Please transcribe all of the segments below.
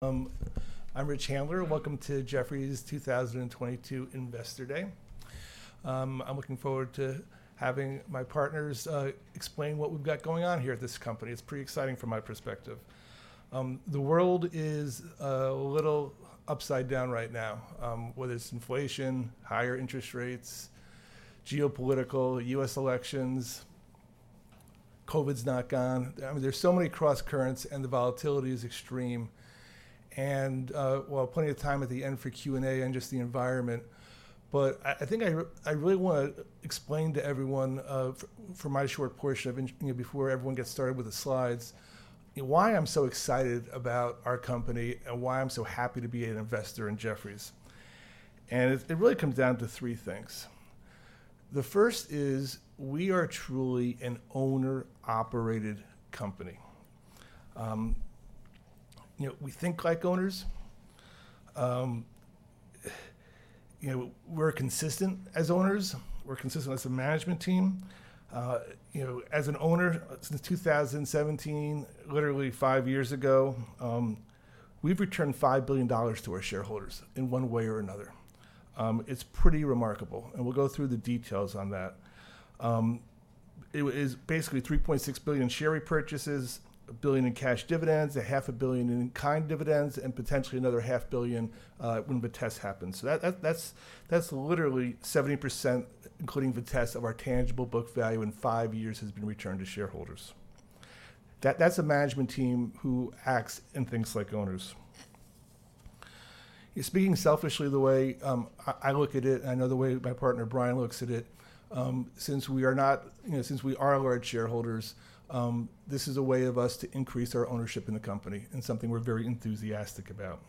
I'm Rich Handler. Welcome to Jefferies 2022 Investor Day. I'm looking forward to having my partners explain what we've got going on here at this company. It's pretty exciting from my perspective. The world is a little upside down right now, whether it's inflation, higher interest rates, geopolitical, U.S. elections. COVID's not gone. I mean, there's so many crosscurrents, and the volatility is extreme. We'll have plenty of time at the end for Q&A on just the environment. I think I really wanna explain to everyone, for my short portion of, you know, before everyone gets started with the slides, why I'm so excited about our company and why I'm so happy to be an investor in Jefferies. It really comes down to three things. The first is we are truly an owner-operated company. You know, we think like owners. You know, we're consistent as owners. We're consistent as a management team. You know, as an owner, since 2017, literally five years ago, we've returned $5 billion to our shareholders in one way or another. It's pretty remarkable, and we'll go through the details on that. It was basically $3.6 billion share repurchases, $1 billion in cash dividends, $500 million in in-kind dividends, and potentially another $500 million when Vitesse happens. That's literally 70%, including Vitesse, of our tangible book value in five years has been returned to shareholders. That's a management team who acts and thinks like owners. Speaking selfishly, the way I look at it, and I know the way my partner Brian looks at it, since we are large shareholders, this is a way of us to increase our ownership in the company and something we're very enthusiastic about.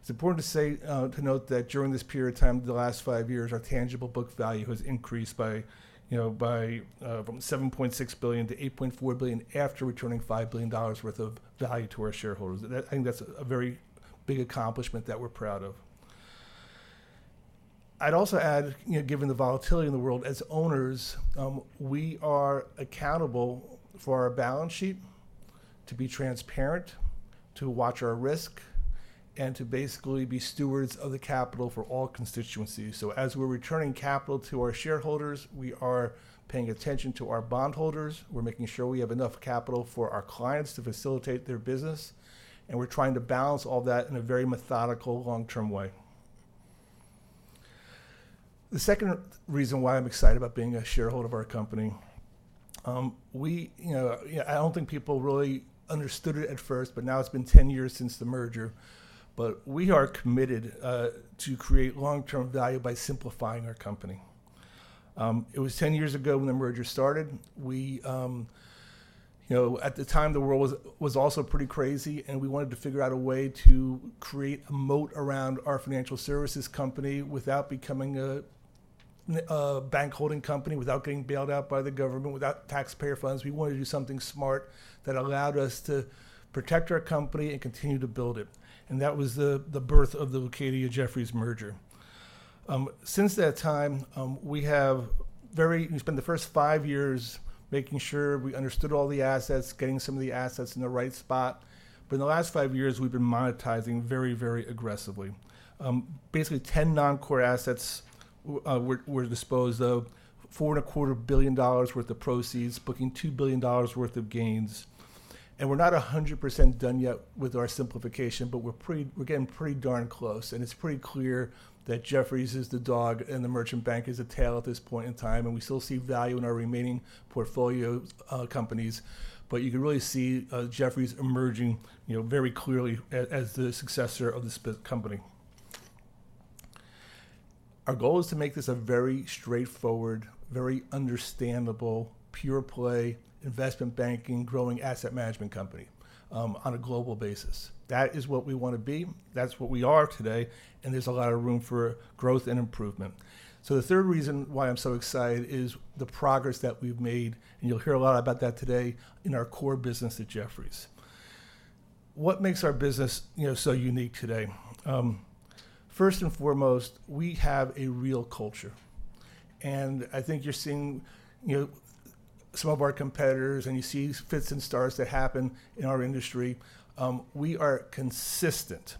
It's important to note that during this period of time, the last five years, our tangible book value has increased from $7.6 billion to $8.4 billion after returning $5 billion worth of value to our shareholders. That, I think, that's a very big accomplishment that we're proud of. I'd also add, you know, given the volatility in the world, as owners, we are accountable for our balance sheet to be transparent, to watch our risk, and to basically be stewards of the capital for all constituencies. As we're returning capital to our shareholders, we are paying attention to our bondholders. We're making sure we have enough capital for our clients to facilitate their business, and we're trying to balance all that in a very methodical, long-term way. The second reason why I'm excited about being a shareholder of our company, I don't think people really understood it at first, but now it's been 10 years since the merger, but we are committed to create long-term value by simplifying our company. It was 10 years ago when the merger started. We, you know, at the time, the world was also pretty crazy, and we wanted to figure out a way to create a moat around our financial services company without becoming a bank holding company, without getting bailed out by the government, without taxpayer funds. We wanted to do something smart that allowed us to protect our company and continue to build it, and that was the birth of the Leucadia-Jefferies merger. Since that time, we spent the first five years making sure we understood all the assets, getting some of the assets in the right spot. In the last five years, we've been monetizing very aggressively. Basically 10 non-core assets were disposed of, $4.25 billion worth of proceeds, booking $2 billion worth of gains. We're not 100% done yet with our simplification, but we're getting pretty darn close, and it's pretty clear that Jefferies is the dog and the merchant bank is the tail at this point in time, and we still see value in our remaining portfolio companies. You can really see Jefferies emerging, you know, very clearly as the successor of this company. Our goal is to make this a very straightforward, very understandable, pure play investment banking, growing asset management company on a global basis. That is what we want to be. That's what we are today, and there's a lot of room for growth and improvement. The third reason why I'm so excited is the progress that we've made, and you'll hear a lot about that today in our core business at Jefferies. What makes our business, you know, so unique today? First and foremost, we have a real culture, and I think you're seeing, you know, some of our competitors, and you see fits and starts that happen in our industry. We are consistent.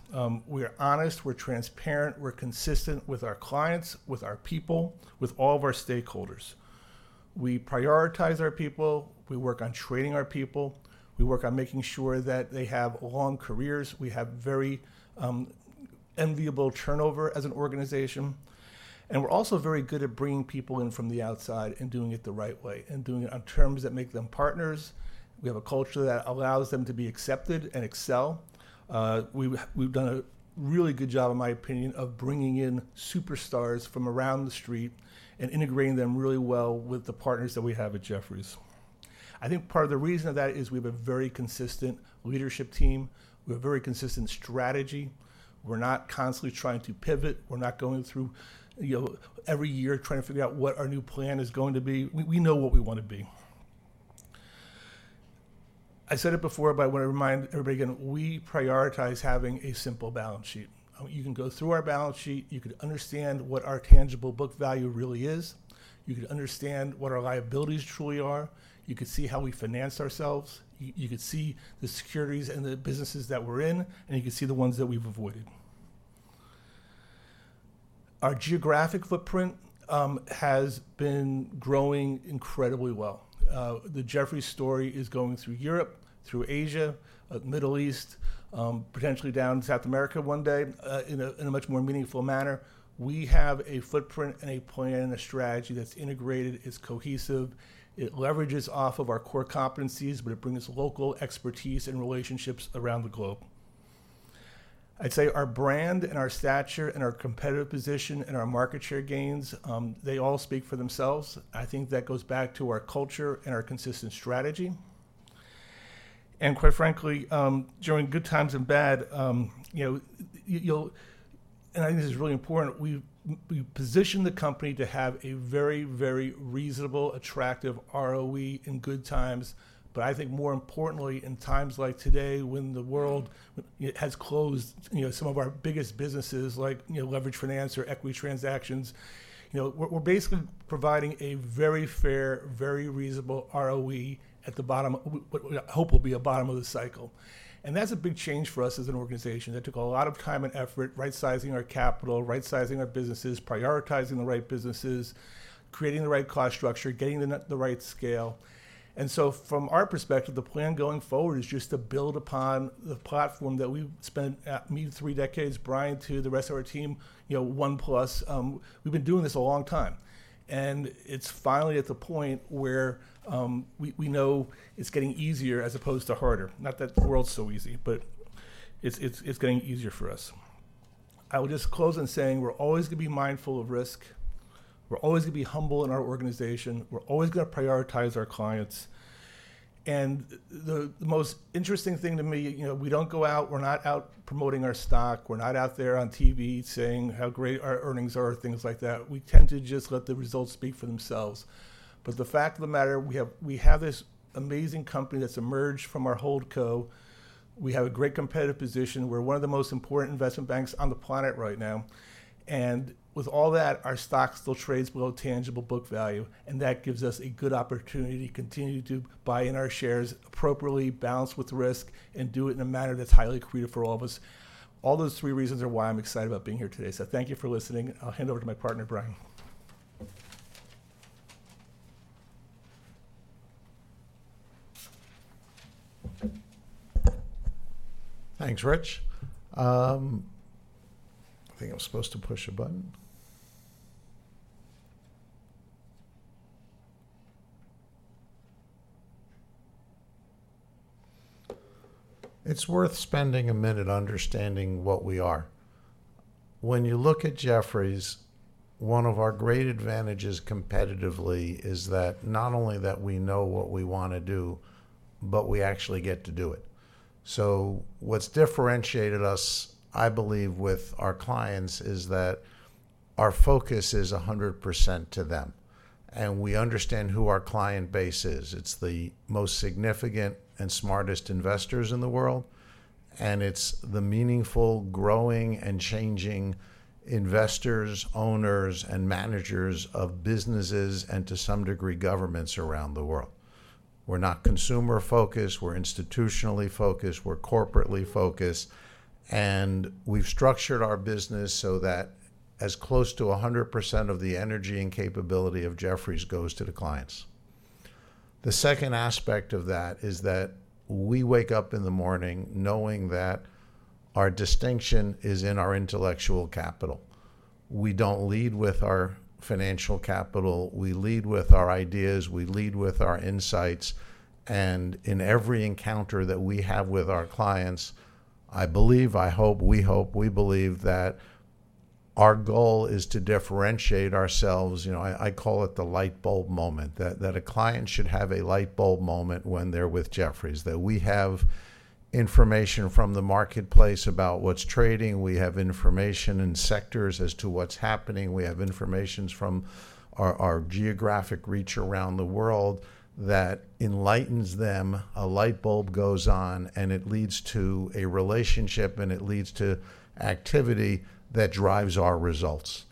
We are honest. We're transparent. We're consistent with our clients, with our people, with all of our stakeholders. We prioritize our people. We work on training our people. We work on making sure that they have long careers. We have very enviable turnover as an organization, and we're also very good at bringing people in from the outside and doing it the right way and doing it on terms that make them partners. We have a culture that allows them to be accepted and excel. We've done a really good job, in my opinion, of bringing in superstars from around the street and integrating them really well with the partners that we have at Jefferies. I think part of the reason of that is we have a very consistent leadership team. We have a very consistent strategy. We're not constantly trying to pivot. We're not going through, you know, every year trying to figure out what our new plan is going to be. We know what we want to be. I said it before, but I want to remind everybody again, we prioritize having a simple balance sheet. You can go through our balance sheet. You can understand what our tangible book value really is. You can understand what our liabilities truly are. You can see how we finance ourselves. You can see the securities and the businesses that we're in, and you can see the ones that we've avoided. Our geographic footprint has been growing incredibly well. The Jefferies story is going through Europe, through Asia, Middle East, potentially down South America one day in a much more meaningful manner. We have a footprint and a plan and a strategy that's integrated, it's cohesive. It leverages off of our core competencies, but it brings local expertise and relationships around the globe. I'd say our brand and our stature and our competitive position and our market share gains, they all speak for themselves. I think that goes back to our culture and our consistent strategy. Quite frankly, during good times and bad, you know, I think this is really important. We've positioned the company to have a very, very reasonable, attractive ROE in good times. I think more importantly, in times like today when the world has closed, you know, some of our biggest businesses like, you know, leveraged finance or equity transactions, you know, we're basically providing a very fair, very reasonable ROE at the bottom, what we hope will be a bottom of the cycle. That's a big change for us as an organization. That took a lot of time and effort, right-sizing our capital, right-sizing our businesses, prioritizing the right businesses, creating the right cost structure, getting the right scale. From our perspective, the plan going forward is just to build upon the platform that we've spent me three decades, Brian two, the rest of our team, you know, one plus, we've been doing this a long time. It's finally at the point where we know it's getting easier as opposed to harder. Not that the world's so easy, but it's getting easier for us. I will just close in saying we're always gonna be mindful of risk. We're always gonna be humble in our organization. We're always gonna prioritize our clients. The most interesting thing to me, you know, we don't go out, we're not out promoting our stock. We're not out there on TV saying how great our earnings are, things like that. We tend to just let the results speak for themselves. The fact of the matter, we have this amazing company that's emerged from our holdco. We have a great competitive position. We're one of the most important investment banks on the planet right now. With all that, our stock still trades below tangible book value, and that gives us a good opportunity to continue to buy in our shares, appropriately balanced with risk, and do it in a manner that's highly accretive for all of us. All those three reasons are why I'm excited about being here today. Thank you for listening. I'll hand it over to my partner, Brian. Thanks, Rich. I think I'm supposed to push a button. It's worth spending a minute understanding what we are. When you look at Jefferies, one of our great advantages competitively is that not only that we know what we want to do, but we actually get to do it. What's differentiated us, I believe, with our clients, is that our focus is 100% to them, and we understand who our client base is. It's the most significant and smartest investors in the world, and it's the meaningful, growing, and changing investors, owners, and managers of businesses and, to some degree, governments around the world. We're not consumer-focused. We're institutionally focused. We're corporately focused. We've structured our business so that as close to 100% of the energy and capability of Jefferies goes to the clients. The second aspect of that is that we wake up in the morning knowing that our distinction is in our intellectual capital. We don't lead with our financial capital. We lead with our ideas. We lead with our insights. In every encounter that we have with our clients, I believe, I hope, we hope, we believe that our goal is to differentiate ourselves. You know, I call it the light bulb moment, that a client should have a light bulb moment when they're with Jefferies. That we have information from the marketplace about what's trading. We have information in sectors as to what's happening. We have information from our geographic reach around the world that enlightens them. A light bulb goes on, and it leads to a relationship, and it leads to activity that drives our results.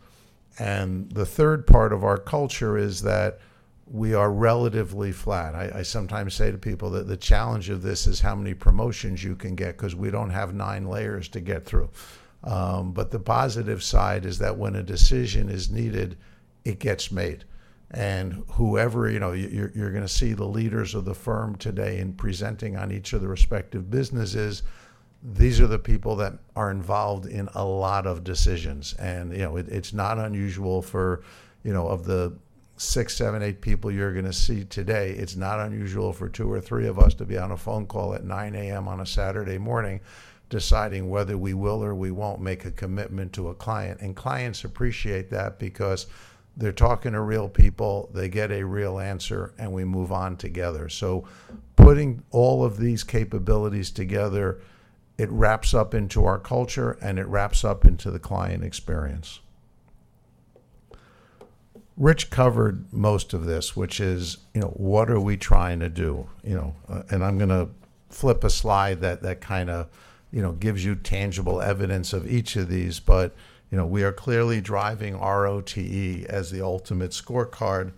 The third part of our culture is that we are relatively flat. I sometimes say to people that the challenge of this is how many promotions you can get because we don't have nine layers to get through. But the positive side is that when a decision is needed, it gets made. You know, you're gonna see the leaders of the firm today in presenting on each of the respective businesses. These are the people that are involved in a lot of decisions. You know, it's not unusual for, you know, of the six, seven, eight people you're gonna see today, it's not unusual for two or three of us to be on a phone call at 9:00 A.M. on a Saturday morning deciding whether we will or we won't make a commitment to a client. Clients appreciate that because they're talking to real people, they get a real answer, and we move on together. Putting all of these capabilities together, it wraps up into our culture, and it wraps up into the client experience. Rich covered most of this, which is, you know, what are we trying to do, you know. I'm gonna flip a slide that kind of, you know, gives you tangible evidence of each of these. You know, we are clearly driving ROTE as the ultimate scorecard.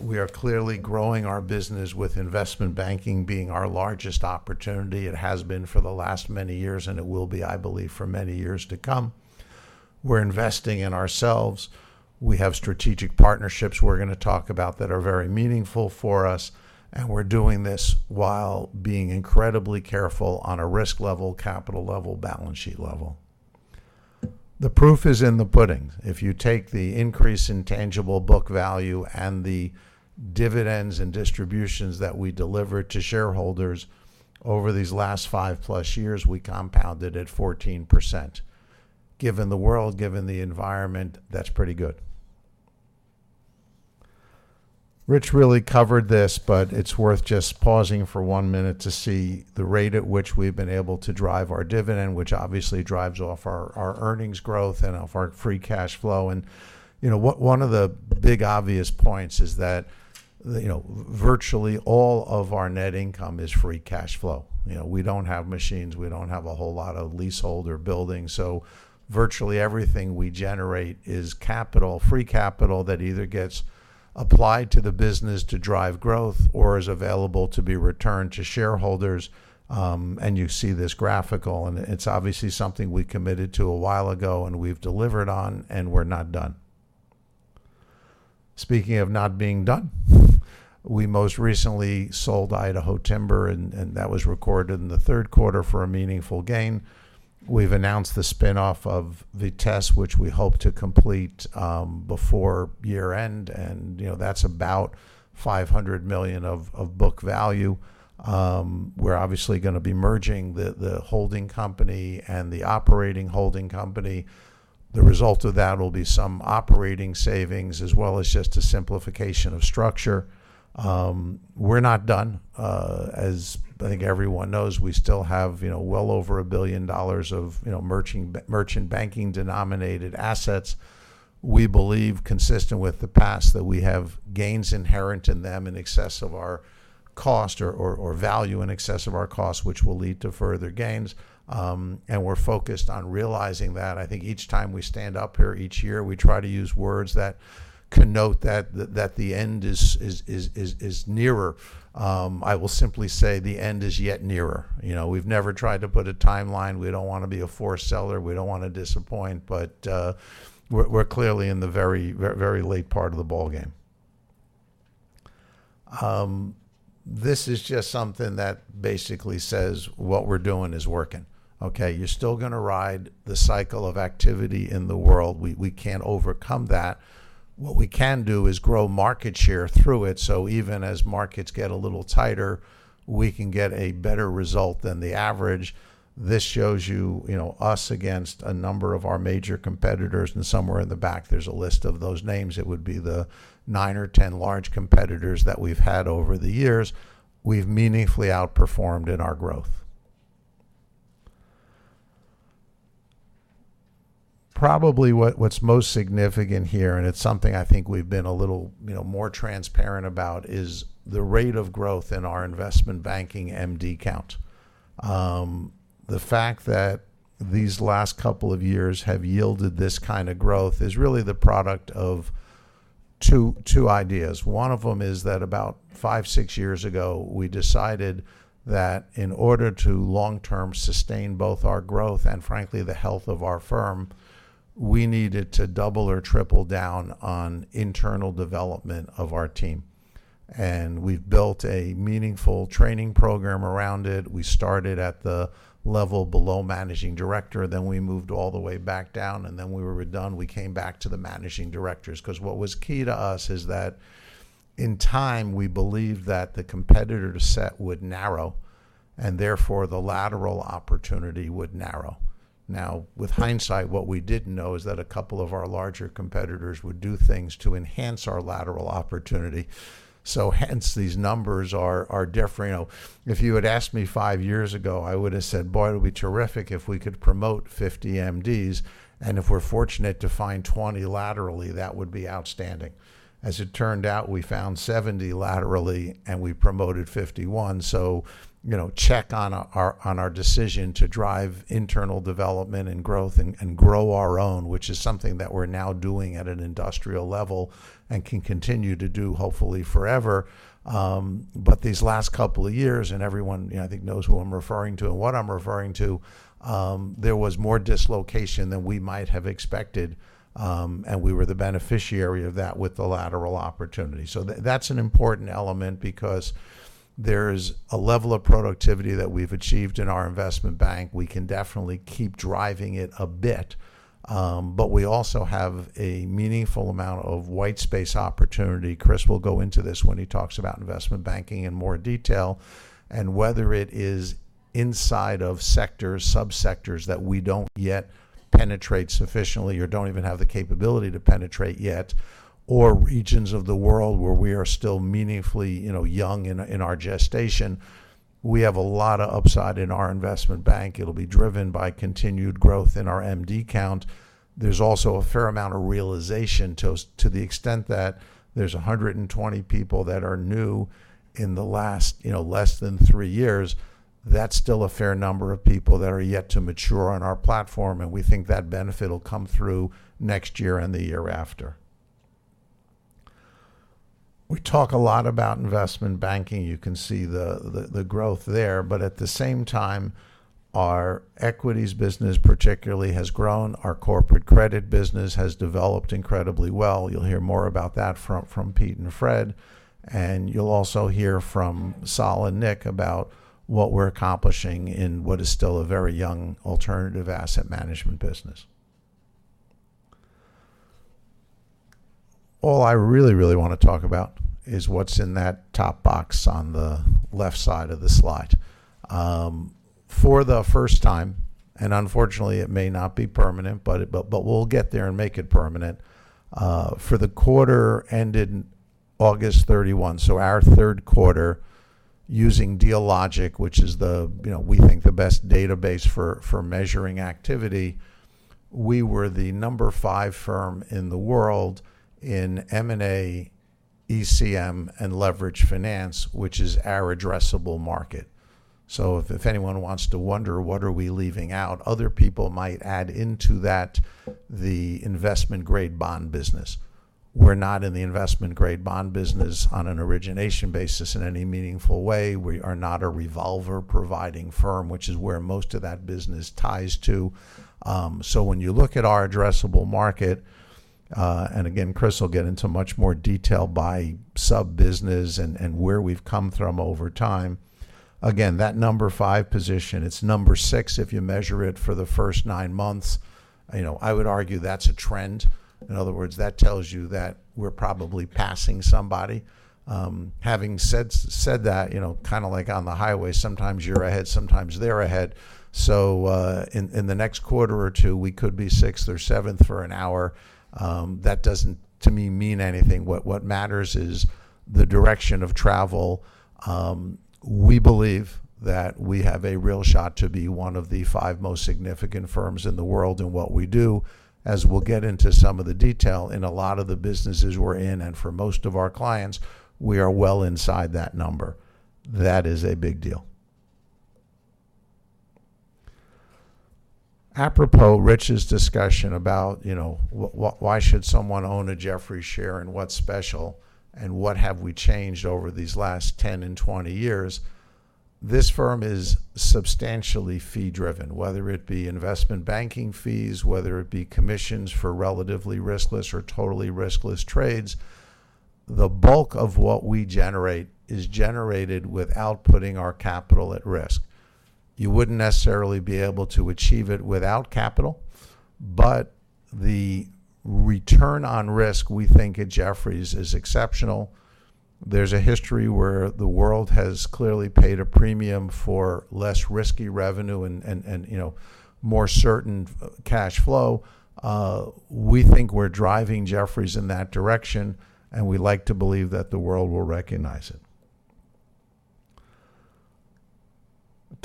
We are clearly growing our business with investment banking being our largest opportunity. It has been for the last many years, and it will be, I believe, for many years to come. We're investing in ourselves. We have strategic partnerships we're gonna talk about that are very meaningful for us, and we're doing this while being incredibly careful on a risk level, capital level, balance sheet level. The proof is in the pudding. If you take the increase in tangible book value and the dividends and distributions that we delivered to shareholders over these last five-plus years, we compounded at 14%. Given the world, given the environment, that's pretty good. Rich really covered this, but it's worth just pausing for one minute to see the rate at which we've been able to drive our dividend, which obviously drives off our earnings growth and off our free cash flow. You know, one of the big obvious points is that, you know, virtually all of our net income is free cash flow. You know, we don't have machines. We don't have a whole lot of leasehold or buildings. Virtually everything we generate is capital, free capital that either gets applied to the business to drive growth or is available to be returned to shareholders, and you see this graphic, and it's obviously something we committed to a while ago, and we've delivered on, and we're not done. Speaking of not being done, we most recently sold Idaho Timber, and that was recorded in the third quarter for a meaningful gain. We've announced the spin-off of Vitesse which we hope to complete before year-end, and you know, that's about $500 million of book value. We're obviously gonna be merging the holding company and the operating holding company. The result of that will be some operating savings as well as just a simplification of structure. We're not done. As I think everyone knows, we still have, you know, well over $1 billion of, you know, merchant banking-denominated assets. We believe, consistent with the past, that we have gains inherent in them in excess of our cost or value in excess of our cost, which will lead to further gains, and we're focused on realizing that. I think each time we stand up here each year, we try to use words that connote that the end is nearer. I will simply say the end is yet nearer. You know, we've never tried to put a timeline. We don't wanna be a forced seller. We don't wanna disappoint, but we're clearly in the very late part of the ballgame. This is just something that basically says what we're doing is working, okay? You're still gonna ride the cycle of activity in the world. We can't overcome that. What we can do is grow market share through it, so even as markets get a little tighter, we can get a better result than the average. This shows you know, us against a number of our major competitors, and somewhere in the back, there's a list of those names. It would be the nine or 10 large competitors that we've had over the years. We've meaningfully outperformed in our growth. Probably what's most significant here, and it's something I think we've been a little, you know, more transparent about, is the rate of growth in our investment banking MD count. The fact that these last couple of years have yielded this kind of growth is really the product of two ideas. One of them is that about five or six years ago, we decided that in order to long-term sustain both our growth and frankly the health of our firm, we needed to double or triple down on internal development of our team, and we've built a meaningful training program around it. We started at the level below managing director, then we moved all the way back down, and then when we were done, we came back to the managing directors. 'Cause what was key to us is that in time, we believe that the competitor set would narrow, and therefore the lateral opportunity would narrow. Now, with hindsight, what we didn't know is that a couple of our larger competitors would do things to enhance our lateral opportunity, so hence these numbers are different. You know, if you had asked me five years ago, I would have said, "Boy, it'll be terrific if we could promote 50 MDs, and if we're fortunate to find 20 laterally, that would be outstanding." As it turned out, we found 70 laterally, and we promoted 51. You know, check on our decision to drive internal development and growth and grow our own, which is something that we're now doing at an industrial level and can continue to do hopefully forever. But these last couple of years, and everyone, you know, I think knows who I'm referring to and what I'm referring to, there was more dislocation than we might have expected, and we were the beneficiary of that with the lateral opportunity. That's an important element because there's a level of productivity that we've achieved in our investment bank. We can definitely keep driving it a bit, but we also have a meaningful amount of white space opportunity. Chris will go into this when he talks about investment banking in more detail. Whether it is inside of sectors, sub-sectors that we don't yet penetrate sufficiently or don't even have the capability to penetrate yet or regions of the world where we are still meaningfully, you know, young in our gestation, we have a lot of upside in our investment bank. It'll be driven by continued growth in our MD count. There's also a fair amount of realization to the extent that there's 120 people that are new in the last, you know, less than three years. That's still a fair number of people that are yet to mature on our platform, and we think that benefit will come through next year and the year after. We talk a lot about investment banking. You can see the growth there. But at the same time, our equities business particularly has grown. Our corporate credit business has developed incredibly well. You'll hear more about that from Pete and Fred, and you'll also hear from Sol and Nick about what we're accomplishing in what is still a very young alternative asset management business. All I really wanna talk about is what's in that top box on the left side of the slide. For the first time, and unfortunately it may not be permanent, but we'll get there and make it permanent. For the quarter ended August 31, so our third quarter using Dealogic, which is the, you know, we think the best database for measuring activity. We were the number five firm in the world in M&A, ECM, and leveraged finance, which is our addressable market. If anyone wants to wonder what are we leaving out, other people might add into that the investment grade bond business. We're not in the investment grade bond business on an origination basis in any meaningful way. We are not a revolver providing firm, which is where most of that business ties to. When you look at our addressable market, and again, Chris will get into much more detail by sub-business and where we've come from over time. Again, that number five position, it's number six if you measure it for the first nine months. You know, I would argue that's a trend. In other words, that tells you that we're probably passing somebody. Having said that, you know, kind of like on the highway, sometimes you're ahead, sometimes they're ahead. In the next quarter or two, we could be sixth or seventh for an hour. That doesn't to me mean anything. What matters is the direction of travel. We believe that we have a real shot to be one of the five most significant firms in the world in what we do, as we'll get into some of the detail in a lot of the businesses we're in. For most of our clients, we are well inside that number. That is a big deal. Apropos, Rich's discussion about, you know, why should someone own a Jefferies share and what's special and what have we changed over these last 10 and 20 years, this firm is substantially fee driven, whether it be investment banking fees, whether it be commissions for relatively riskless or totally riskless trades. The bulk of what we generate is generated without putting our capital at risk. You wouldn't necessarily be able to achieve it without capital, but the return on risk, we think at Jefferies is exceptional. There's a history where the world has clearly paid a premium for less risky revenue and, you know, more certain cash flow. We think we're driving Jefferies in that direction, and we like to believe that the world will recognize it.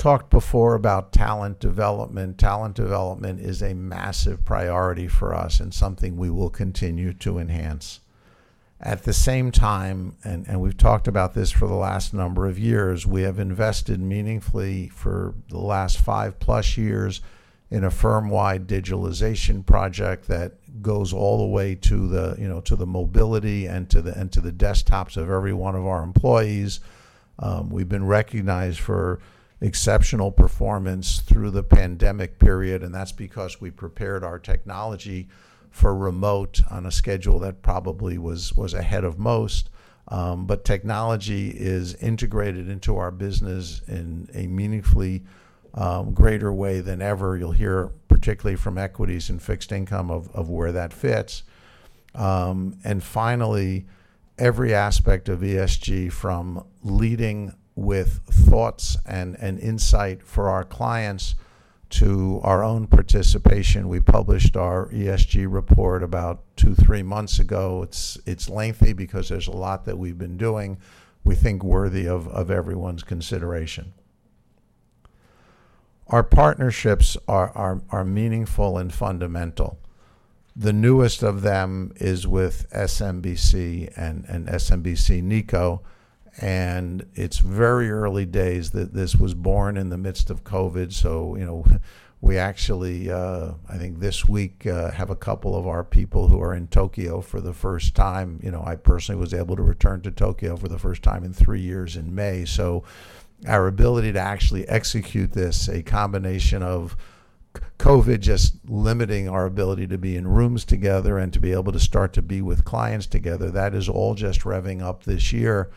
Talked before about talent development. Talent development is a massive priority for us and something we will continue to enhance. At the same time, we've talked about this for the last number of years. We have invested meaningfully for the last 5+ years in a firm-wide digitalization project that goes all the way to the mobility and to the desktops of every one of our employees. We've been recognized for exceptional performance through the pandemic period. That's because we prepared our technology for remote on a schedule that probably was ahead of most. Technology is integrated into our business in a meaningfully greater way than ever. You'll hear particularly from equities and fixed income of where that fits. Finally, every aspect of ESG from leading with thoughts and insight for our clients to our own participation. We published our ESG report about 2-3 months ago. It's lengthy because there's a lot that we've been doing we think worthy of everyone's consideration. Our partnerships are meaningful and fundamental. The newest of them is with SMBC and SMBC Nikko, and it's very early days that this was born in the midst of COVID. You know, we actually I think this week have a couple of our people who are in Tokyo for the first time. You know, I personally was able to return to Tokyo for the first time in three years in May. Our ability to actually execute this, a combination of COVID just limiting our ability to be in rooms together and to be able to start to be with clients together, that is all just revving up this year.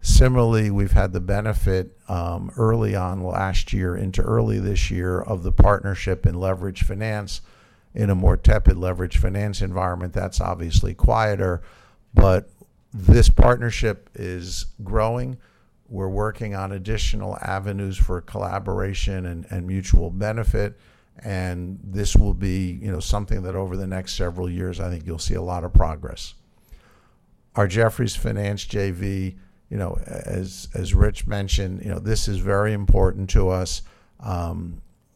Similarly, we've had the benefit early on last year into early this year of the partnership in leveraged finance in a more tepid leveraged finance environment that's obviously quieter, but this partnership is growing. We're working on additional avenues for collaboration and mutual benefit, and this will be, you know, something that over the next several years, I think you'll see a lot of progress. Our Jefferies Finance JV, you know, as Rich mentioned, you know, this is very important to us.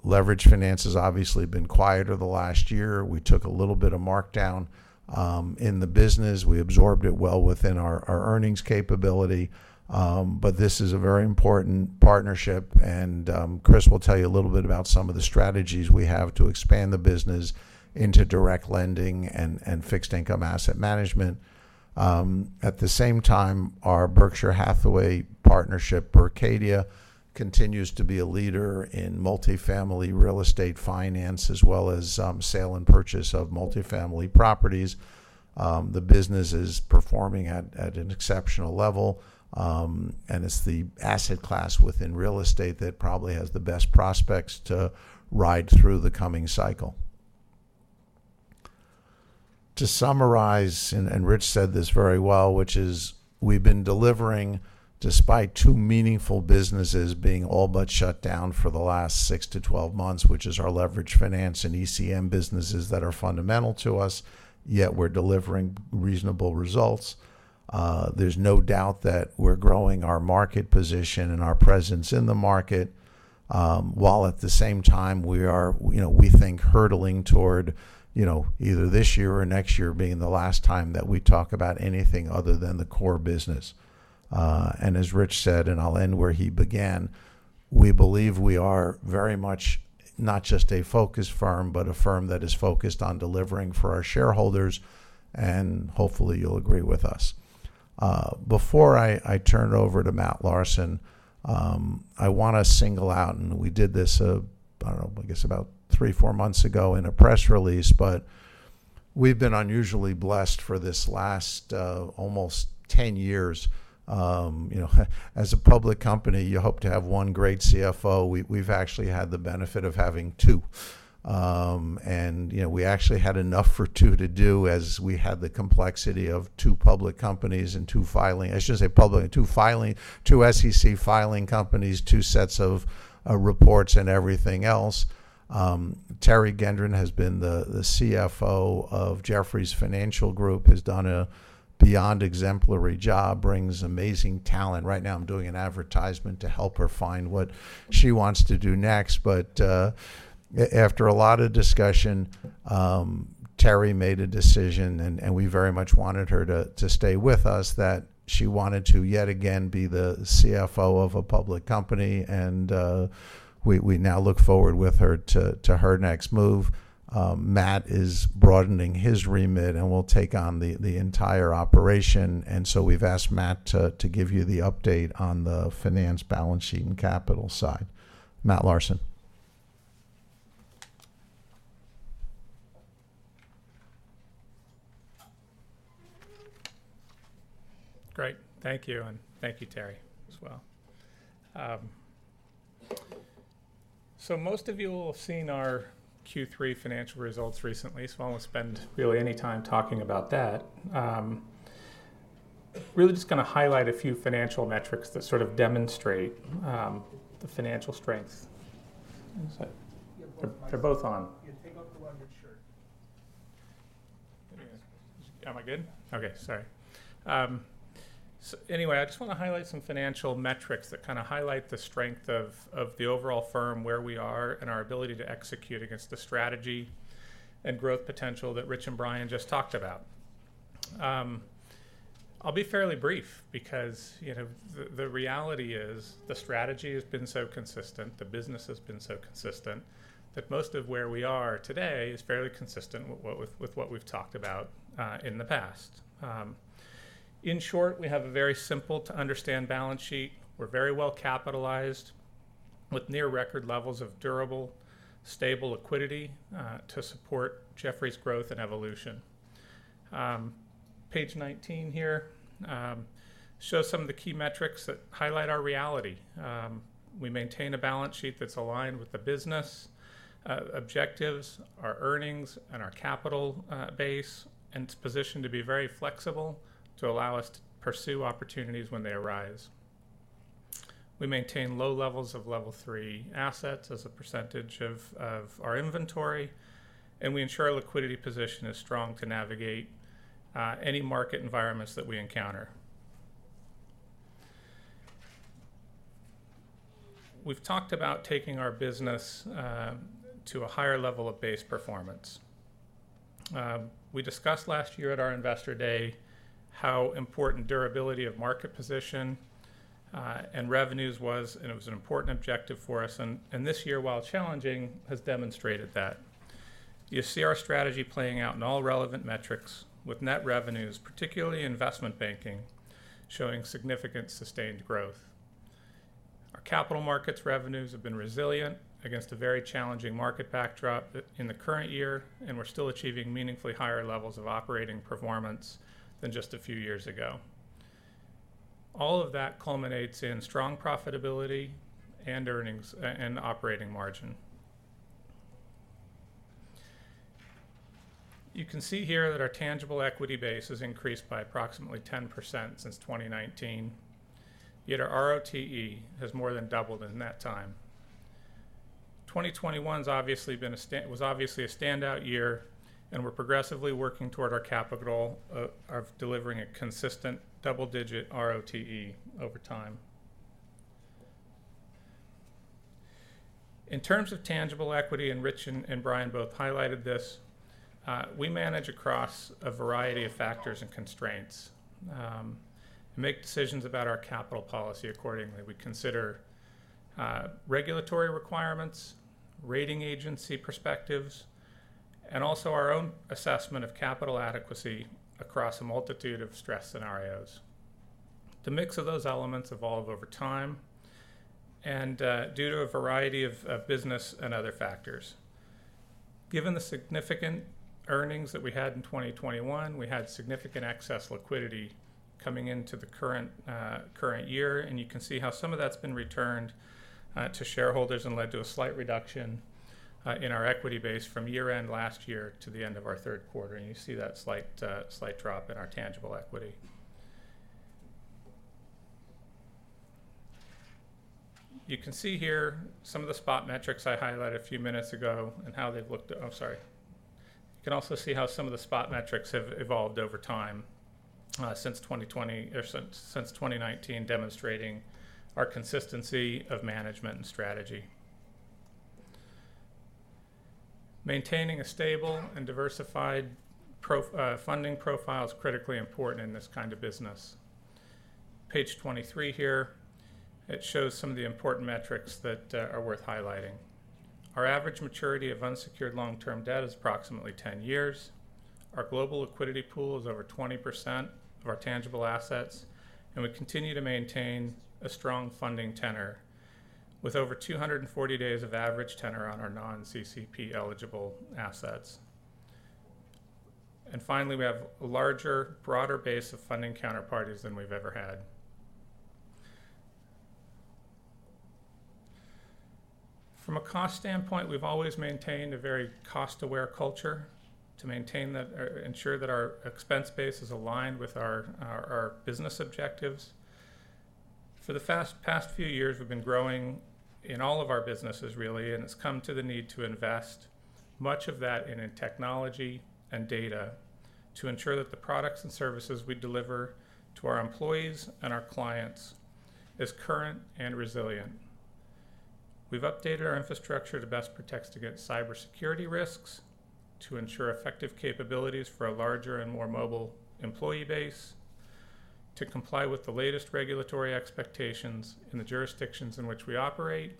Leveraged finance has obviously been quieter the last year. We took a little bit of markdown in the business. We absorbed it well within our earnings capability. This is a very important partnership, and Chris will tell you a little bit about some of the strategies we have to expand the business into direct lending and fixed income asset management. At the same time, our Berkshire Hathaway partnership, Berkadia, continues to be a leader in multifamily real estate finance as well as sale and purchase of multifamily properties. The business is performing at an exceptional level, and it's the asset class within real estate that probably has the best prospects to ride through the coming cycle. To summarize, Rich said this very well, which is we've been delivering despite two meaningful businesses being all but shut down for the last 6-12 months, which is our leveraged finance and ECM businesses that are fundamental to us, yet we're delivering reasonable results. There's no doubt that we're growing our market position and our presence in the market, while at the same time we are, you know, we think hurdling toward, you know, either this year or next year being the last time that we talk about anything other than the core business. As Rich said, I'll end where he began, we believe we are very much not just a focused firm, but a firm that is focused on delivering for our shareholders, and hopefully you'll agree with us. Before I turn it over to Matt Larson, I wanna single out, and we did this, I don't know, I guess about 3-4 months ago in a press release, but we've been unusually blessed for this last, almost 10 years. You know, as a public company, you hope to have one great CFO. We've actually had the benefit of having two. You know, we actually had enough for two to do as we had the complexity of two public companies and two SEC filing companies, two sets of reports and everything else. Teri Gendron has been the CFO of Jefferies Financial Group, has done a beyond exemplary job, brings amazing talent. Right now I'm doing an advertisement to help her find what she wants to do next. After a lot of discussion, Teri made a decision, and we very much wanted her to stay with us, that she wanted to yet again be the CFO of a public company. We now look forward with her to her next move. Matt is broadening his remit and will take on the entire operation. We've asked Matt to give you the update on the financial balance sheet and capital side. Matt Larson. Great. Thank you. Thank you, Teri, as well. Most of you will have seen our Q3 financial results recently, so I won't spend really any time talking about that. Really just gonna highlight a few financial metrics that sort of demonstrate the financial strength. They're both on. Anyways. Am I good? Okay. Sorry. Anyway, I just wanna highlight some financial metrics that kinda highlight the strength of the overall firm, where we are, and our ability to execute against the strategy and growth potential that Rich and Brian just talked about. I'll be fairly brief because, you know, the reality is the strategy has been so consistent, the business has been so consistent, that most of where we are today is fairly consistent with what we've talked about in the past. In short, we have a very simple to understand balance sheet. We're very well capitalized with near record levels of durable, stable liquidity to support Jefferies' growth and evolution. Page 19 here shows some of the key metrics that highlight our reality. We maintain a balance sheet that's aligned with the business objectives, our earnings, and our capital base, and it's positioned to be very flexible to allow us to pursue opportunities when they arise. We maintain low levels of Level three assets as a percentage of our inventory, and we ensure our liquidity position is strong to navigate any market environments that we encounter. We've talked about taking our business to a higher level of base performance. We discussed last year at our Investor Day how important durability of market position and revenues was, and it was an important objective for us. This year, while challenging, has demonstrated that. You see our strategy playing out in all relevant metrics with net revenues, particularly investment banking, showing significant sustained growth. Our capital markets revenues have been resilient against a very challenging market backdrop in the current year, and we're still achieving meaningfully higher levels of operating performance than just a few years ago. All of that culminates in strong profitability and earnings and operating margin. You can see here that our tangible equity base has increased by approximately 10% since 2019, yet our ROTE has more than doubled in that time. 2021 was obviously a standout year, and we're progressively working toward of delivering a consistent double-digit ROTE over time. In terms of tangible equity, Rich and Brian both highlighted this, we manage across a variety of factors and constraints, make decisions about our capital policy accordingly. We consider regulatory requirements, rating agency perspectives, and also our own assessment of capital adequacy across a multitude of stress scenarios. The mix of those elements evolve over time and due to a variety of business and other factors. Given the significant earnings that we had in 2021, we had significant excess liquidity coming into the current year, and you can see how some of that's been returned to shareholders and led to a slight reduction in our equity base from year-end last year to the end of our third quarter, and you see that slight drop in our tangible equity. You can see here some of the spot metrics I highlighted a few minutes ago and how they've looked. You can also see how some of the spot metrics have evolved over time, since 2020 or since 2019, demonstrating our consistency of management and strategy. Maintaining a stable and diversified funding profile is critically important in this kind of business. Page 23 here, it shows some of the important metrics that are worth highlighting. Our average maturity of unsecured long-term debt is approximately 10 years. Our global liquidity pool is over 20% of our tangible assets, and we continue to maintain a strong funding tenor with over 240 days of average tenor on our non-CCP eligible assets. Finally, we have a larger, broader base of funding counterparties than we've ever had. From a cost standpoint, we've always maintained a very cost-aware culture to maintain that. Ensure that our expense base is aligned with our business objectives. For the past few years, we've been growing in all of our businesses really, and it's come to the need to invest much of that in a technology and data to ensure that the products and services we deliver to our employees and our clients is current and resilient. We've updated our infrastructure to best protect against cybersecurity risks, to ensure effective capabilities for a larger and more mobile employee base, to comply with the latest regulatory expectations in the jurisdictions in which we operate,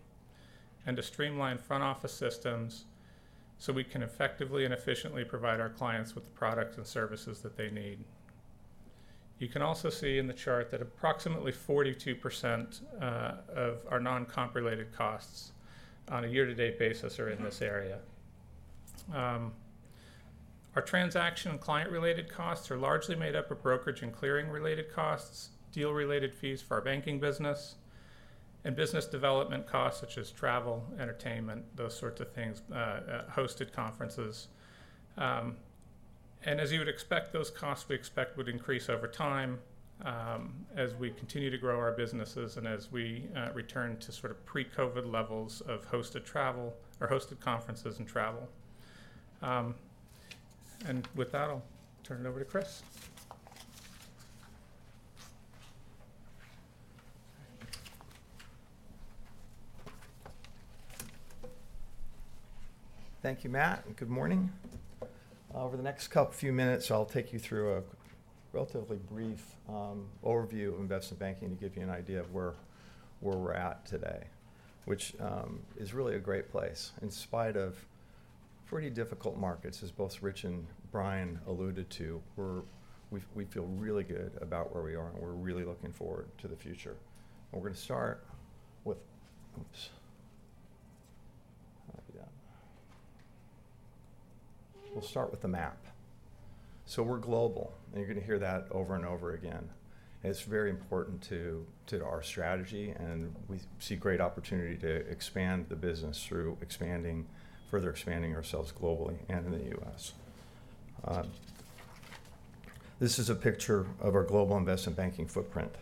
and to streamline front office systems so we can effectively and efficiently provide our clients with the products and services that they need. You can also see in the chart that approximately 42% of our non-comp related costs on a year-to-date basis are in this area. Our transaction client-related costs are largely made up of brokerage and clearing related costs, deal-related fees for our banking business and business development costs such as travel, entertainment, those sorts of things, hosted conferences. As you would expect, those costs we expect would increase over time, as we continue to grow our businesses and as we return to sort of pre-COVID levels of hosted travel or hosted conferences and travel. With that, I'll turn it over to Chris. Thank you, Matt, and good morning. Over the next few minutes, I'll take you through a relatively brief overview of investment banking to give you an idea of where we're at today, which is really a great place. In spite of pretty difficult markets, as both Rich and Brian alluded to, we feel really good about where we are, and we're really looking forward to the future. We're gonna start with. Oops. How do I do that? We'll start with the map. We're global, and you're gonna hear that over and over again. It's very important to our strategy, and we see great opportunity to expand the business through expanding, further expanding ourselves globally and in the U.S. This is a picture of our global investment banking footprint.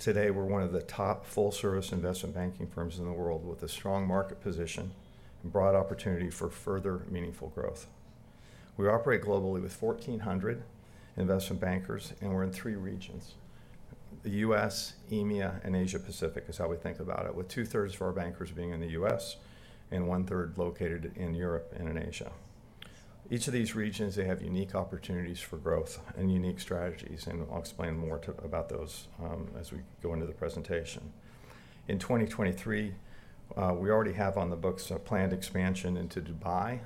Today, we're one of the top full-service investment banking firms in the world with a strong market position and broad opportunity for further meaningful growth. We operate globally with 1,400 investment bankers, and we're in three regions. The U.S., EMEA, and Asia Pacific is how we think about it, with two-thirds of our bankers being in the U.S. and one-third located in Europe and in Asia. Each of these regions, they have unique opportunities for growth and unique strategies, and I'll explain more about those as we go into the presentation. In 2023, we already have on the books a planned expansion into Dubai,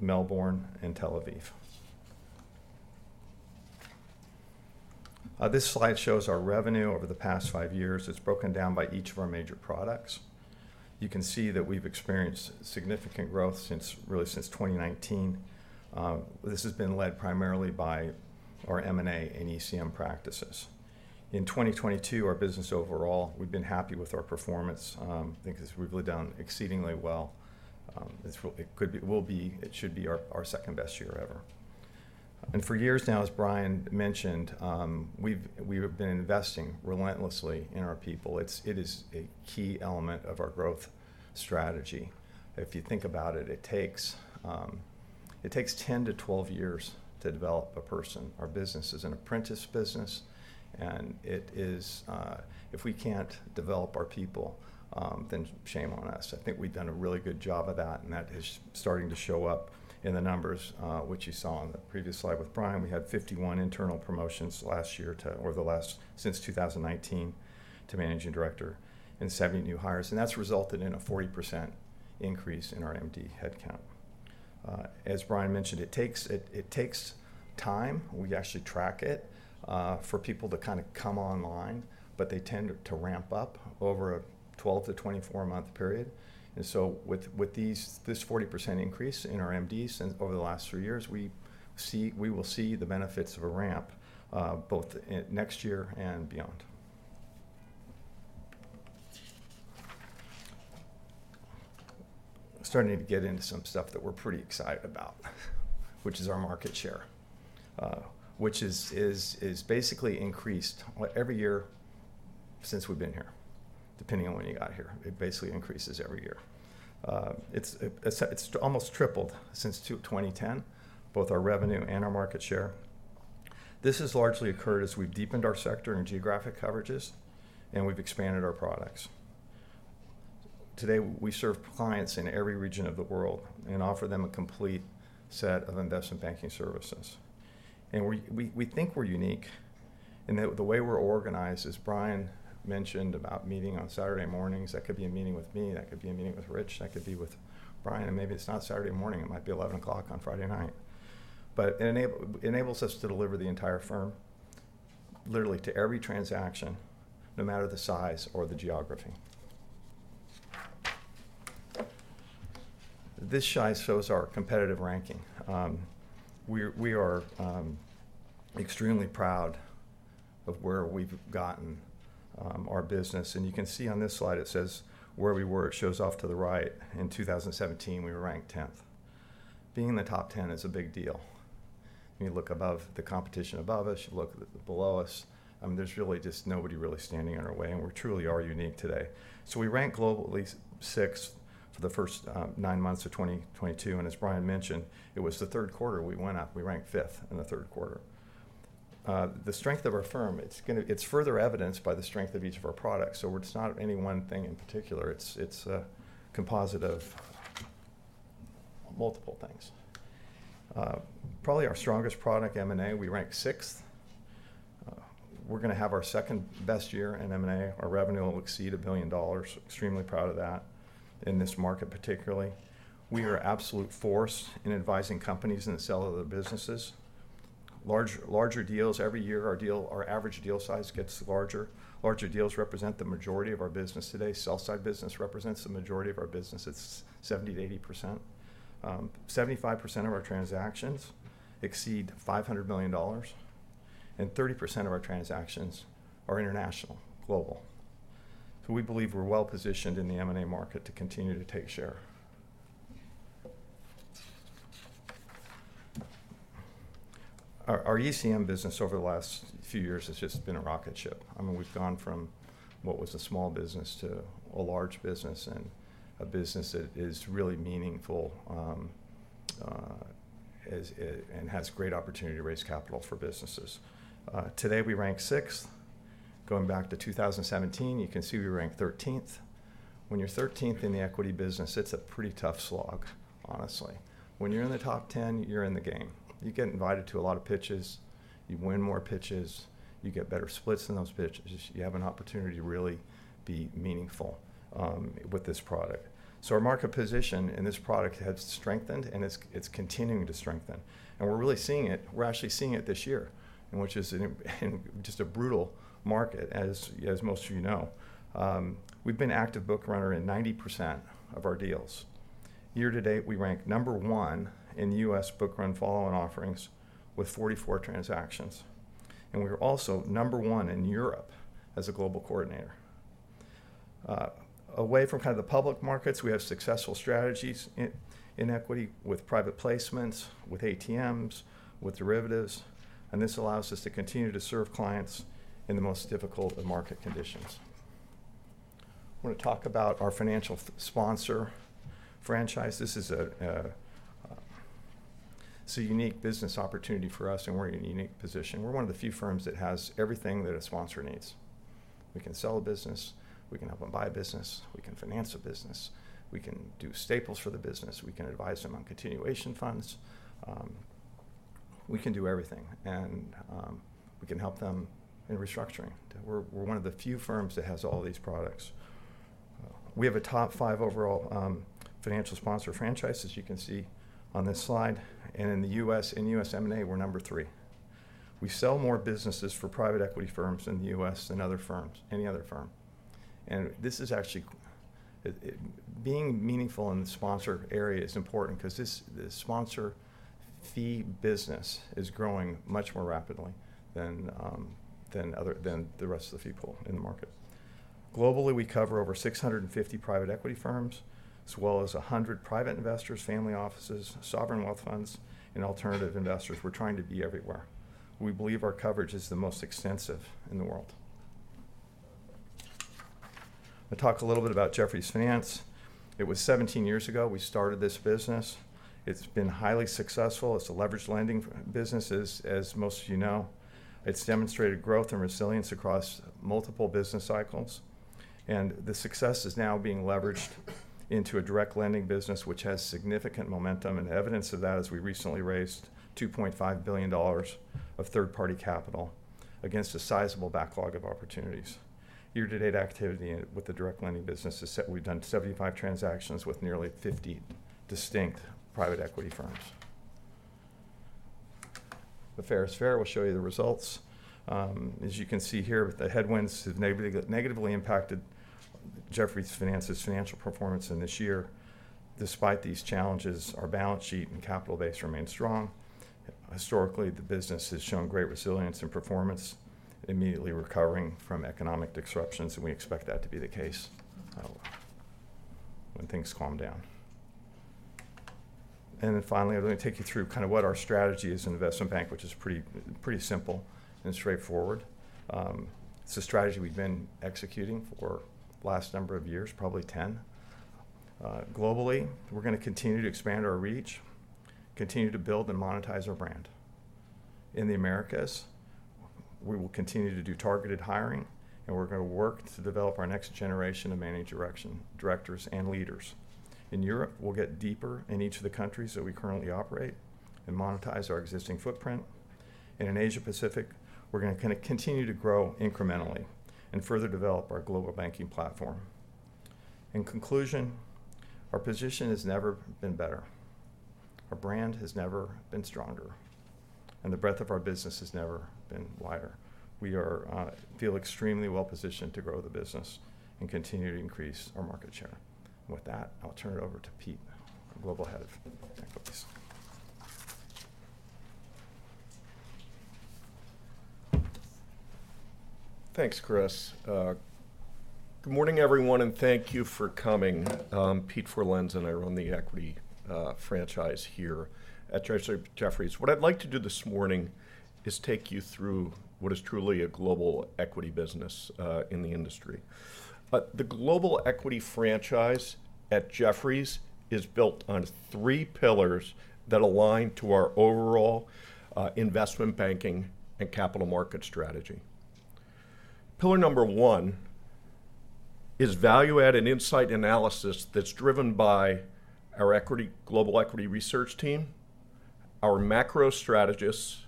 Melbourne, and Tel Aviv. This slide shows our revenue over the past five years. It's broken down by each of our major products. You can see that we've experienced significant growth since, really since 2019. This has been led primarily by our M&A and ECM practices. In 2022, our business overall, we've been happy with our performance. I think we've done exceedingly well. It could be, will be, it should be our second-best year ever. For years now, as Brian mentioned, we've been investing relentlessly in our people. It is a key element of our growth strategy. If you think about it takes 10-12 years to develop a person. Our business is an apprentice business, if we can't develop our people, then shame on us. I think we've done a really good job of that, and that is starting to show up in the numbers, which you saw on the previous slide with Brian. We had 51 internal promotions last year since 2019 to managing director and 70 new hires, and that's resulted in a 40% increase in our MD headcount. As Brian mentioned, it takes time, we actually track it, for people to kinda come online, but they tend to ramp up over a 12-24-month period. With this 40% increase in our MDs over the last three years, we will see the benefits of a ramp, both next year and beyond. Starting to get into some stuff that we're pretty excited about, which is our market share, which is basically increased every year since we've been here, depending on when you got here. It basically increases every year. It's almost tripled since 2010, both our revenue and our market share. This has largely occurred as we've deepened our sector and geographic coverages, and we've expanded our products. Today, we serve clients in every region of the world and offer them a complete set of investment banking services. We think we're unique in that the way we're organized, as Brian mentioned about meeting on Saturday mornings, that could be a meeting with me, that could be a meeting with Rich, that could be with Brian, and maybe it's not Saturday morning, it might be 11:00 P.M. on Friday night. It enables us to deliver the entire firm literally to every transaction, no matter the size or the geography. This slide shows our competitive ranking. We are extremely proud of where we've gotten our business. You can see on this slide it says where we were. It shows off to the right. In 2017, we were ranked 10th. Being in the top 10 is a big deal. When you look above, the competition above us, you look at below us, I mean, there's really just nobody really standing in our way, and we truly are unique today. We rank globally 6th for the first nine months of 2022. As Brian mentioned, it was the third quarter we went up. We ranked 5th in the third quarter. The strength of our firm, it's further evidenced by the strength of each of our products. It's not any one thing in particular. It's a composite of multiple things. Probably our strongest product, M&A, we rank 6th. We're gonna have our second-best year in M&A. Our revenue will exceed $1 billion. Extremely proud of that in this market particularly. We are absolute force in advising companies in the sale of their businesses. Larger deals every year. Our average deal size gets larger. Larger deals represent the majority of our business today. Sell-side business represents the majority of our business. It's 70%-80%. 75% of our transactions exceed $500 million, and 30% of our transactions are international, global. We believe we're well-positioned in the M&A market to continue to take share. Our ECM business over the last few years has just been a rocket ship. I mean, we've gone from what was a small business to a large business and a business that is really meaningful, as it. It has great opportunity to raise capital for businesses. Today we rank 6th. Going back to 2017, you can see we ranked 13th. When you're 13th in the equity business, it's a pretty tough slog, honestly. When you're in the top 10, you're in the game. You get invited to a lot of pitches. You win more pitches. You get better splits in those pitches. You have an opportunity to really be meaningful with this product. Our market position in this product has strengthened, and it's continuing to strengthen. We're really seeing it. We're actually seeing it this year, which is in just a brutal market, as most of you know. We've been active bookrunner in 90% of our deals. Year-to-date, we rank number one in U.S. book run follow-on offerings with 44 transactions. We are also number one in Europe as a global coordinator. Away from kind of the public markets, we have successful strategies in equity with private placements, with ATMs, with derivatives, and this allows us to continue to serve clients in the most difficult of market conditions. I wanna talk about our financial sponsor franchise. This is a unique business opportunity for us, and we're in a unique position. We're one of the few firms that has everything that a sponsor needs. We can sell a business. We can help them buy a business. We can finance a business. We can do staples for the business. We can advise them on continuation funds. We can do everything, and we can help them in restructuring. We're one of the few firms that has all these products. We have a top five overall financial sponsor franchise, as you can see on this slide. In the U.S., in U.S. M&A, we're number three. We sell more businesses for private equity firms in the U.S. than other firms, any other firm. Being meaningful in the sponsor area is important 'cause this sponsor fee business is growing much more rapidly than the rest of the people in the market. Globally, we cover over 650 private equity firms, as well as 100 private investors, family offices, sovereign wealth funds, and alternative investors. We're trying to be everywhere. We believe our coverage is the most extensive in the world. I'll talk a little bit about Jefferies Finance. It was 17 years ago we started this business. It's been highly successful. It's a leveraged lending business, as most of you know. It's demonstrated growth and resilience across multiple business cycles, and the success is now being leveraged into a direct lending business which has significant momentum. Evidence of that is we recently raised $2.5 billion of third-party capital against a sizable backlog of opportunities. Year-to-date activity with the direct lending business is, we've done 75 transactions with nearly 50 distinct private equity firms. Fair is fair, we'll show you the results. As you can see here, the headwinds have negatively impacted Jefferies Finance's financial performance in this year. Despite these challenges, our balance sheet and capital base remain strong. Historically, the business has shown great resilience in performance, immediately recovering from economic disruptions, and we expect that to be the case when things calm down. Finally, I'm gonna take you through kind of what our strategy is in investment bank, which is pretty simple and straightforward. It's a strategy we've been executing for last number of years, probably 10. Globally, we're gonna continue to expand our reach, continue to build and monetize our brand. In the Americas, we will continue to do targeted hiring, and we're gonna work to develop our next generation of directors and leaders. In Europe, we'll get deeper in each of the countries that we currently operate and monetize our existing footprint. In Asia Pacific, we're gonna continue to grow incrementally and further develop our global banking platform. In conclusion, our position has never been better. Our brand has never been stronger. The breadth of our business has never been wider. We are feel extremely well positioned to grow the business and continue to increase our market share. With that, I'll turn it over to Peter Forlenza, our Global Head of Equities. Thanks, Chris. Good morning everyone, and thank you for coming. I'm Pete Forlenza, and I run the equity franchise here at Jefferies. What I'd like to do this morning is take you through what is truly a global equity business in the industry. The global equity franchise at Jefferies is built on three pillars that align to our overall investment banking and capital market strategy. Pillar number one is value add and insight analysis that's driven by our global equity research team, our macro strategists,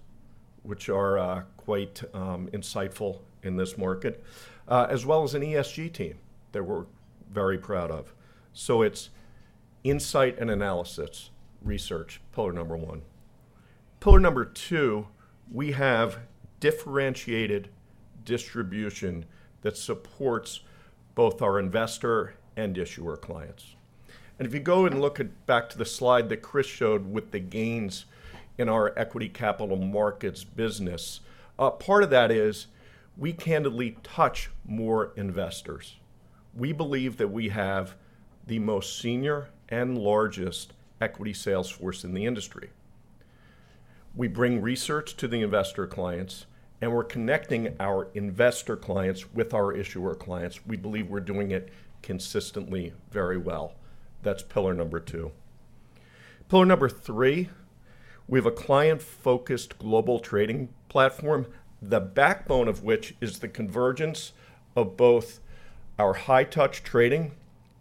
which are quite insightful in this market, as well as an ESG team that we're very proud of. It's insight and analysis research, pillar number one. Pillar number two, we have differentiated distribution that supports both our investor and issuer clients. If you go and look back to the slide that Chris showed with the gains in our equity capital markets business, a part of that is we candidly touch more investors. We believe that we have the most senior and largest equity sales force in the industry. We bring research to the investor clients, and we're connecting our investor clients with our issuer clients. We believe we're doing it consistently very well. That's pillar number two. Pillar number three, we have a client-focused global trading platform, the backbone of which is the convergence of both our high-touch trading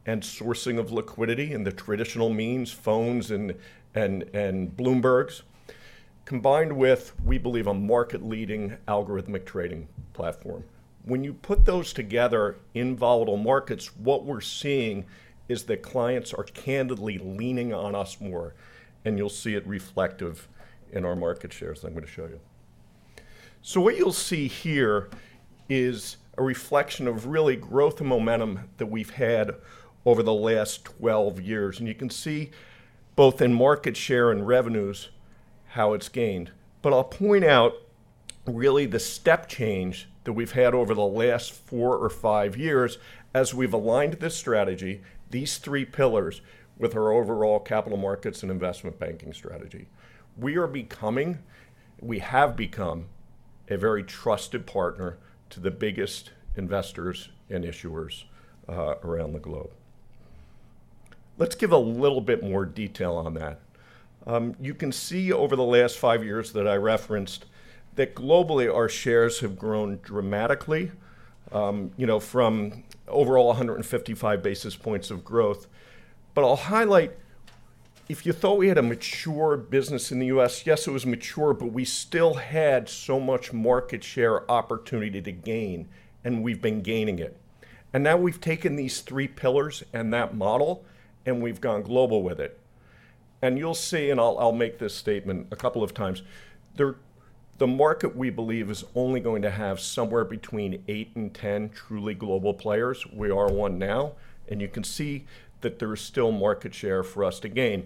and sourcing of liquidity in the traditional means, phones and Bloombergs, combined with, we believe, a market-leading algorithmic trading platform. When you put those together in volatile markets, what we're seeing is that clients are candidly leaning on us more, and you'll see it reflected in our market shares that I'm gonna show you. What you'll see here is a reflection of real growth and momentum that we've had over the last 12 years. You can see both in market share and revenues how it's gained. I'll point out really the step change that we've had over the last four or five years as we've aligned this strategy, these three pillars, with our overall capital markets and investment banking strategy. We have become a very trusted partner to the biggest investors and issuers around the globe. Let's give a little bit more detail on that. You can see over the last five years that I referenced that globally, our shares have grown dramatically, you know, from overall 155 basis points of growth. I'll highlight, if you thought we had a mature business in the U.S., yes, it was mature, but we still had so much market share opportunity to gain, and we've been gaining it. Now we've taken these three pillars and that model, and we've gone global with it. You'll see, and I'll make this statement a couple of times, the market, we believe, is only going to have somewhere between eight and 10 truly global players. We are one now, and you can see that there is still market share for us to gain.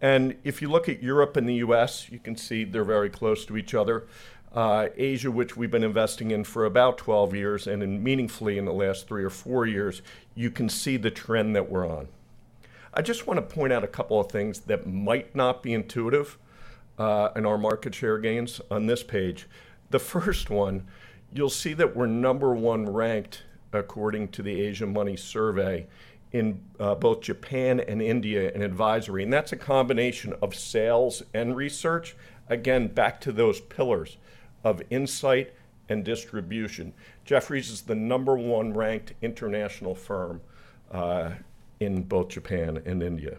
If you look at Europe and the U.S., you can see they're very close to each other. Asia, which we've been investing in for about 12 years and in meaningfully in the last three or four years, you can see the trend that we're on. I just want to point out a couple of things that might not be intuitive, in our market share gains on this page. The first one, you'll see that we're number one ranked according to the Asiamoney survey in, both Japan and India in advisory, and that's a combination of sales and research. Again, back to those pillars of insight and distribution. Jefferies is the number one ranked international firm, in both Japan and India.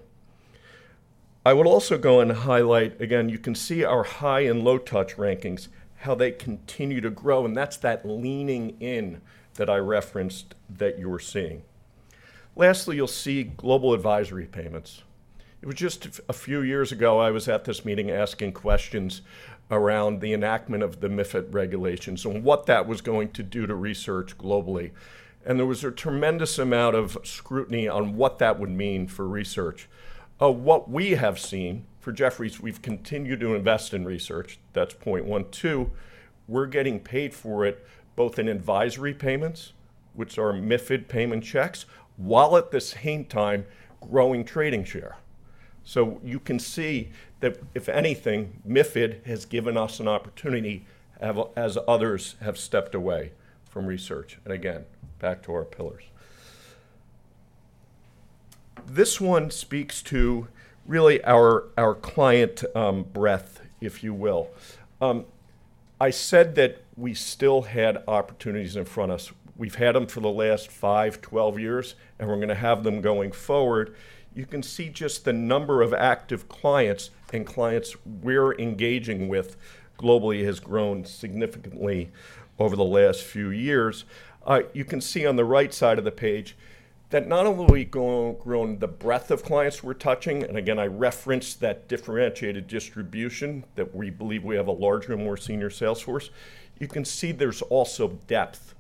I would also go and highlight. Again, you can see our high and low touch rankings, how they continue to grow, and that's that leaning in that I referenced that you're seeing. Lastly, you'll see global advisory payments. It was just a few years ago, I was at this meeting asking questions around the enactment of the MiFID regulations and what that was going to do to research globally. There was a tremendous amount of scrutiny on what that would mean for research. What we have seen for Jefferies, we've continued to invest in research. That's point one. Two, we're getting paid for it both in advisory payments, which are MiFID payment checks, while at the same time growing trading share. You can see that if anything, MiFID has given us an opportunity as others have stepped away from research. Again, back to our pillars. This one speaks to really our client breadth, if you will. I said that we still had opportunities in front of us. We've had them for the last 5-12 years, and we're gonna have them going forward. You can see just the number of active clients and clients we're engaging with globally has grown significantly over the last few years. You can see on the right side of the page that not only we grown the breadth of clients we're touching, and again, I referenced that differentiated distribution that we believe we have a larger and more senior sales force, you can see there's also depth.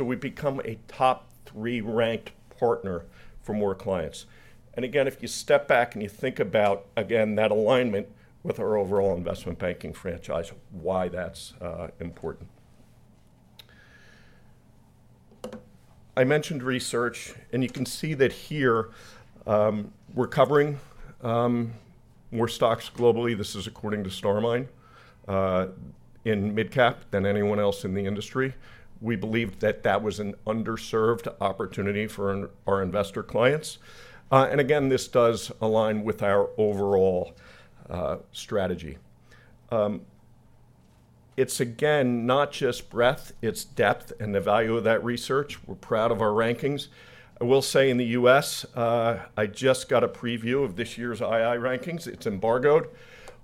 We've become a top three ranked partner for more clients. Again, if you step back and you think about, again, that alignment with our overall investment banking franchise, why that's important. I mentioned research, and you can see that here, we're covering more stocks globally, this is according to StarMine, in mid-cap than anyone else in the industry. We believe that was an underserved opportunity for our investor clients. This does align with our overall strategy. It's again, not just breadth, it's depth and the value of that research. We're proud of our rankings. I will say in the U.S., I just got a preview of this year's II rankings. It's embargoed.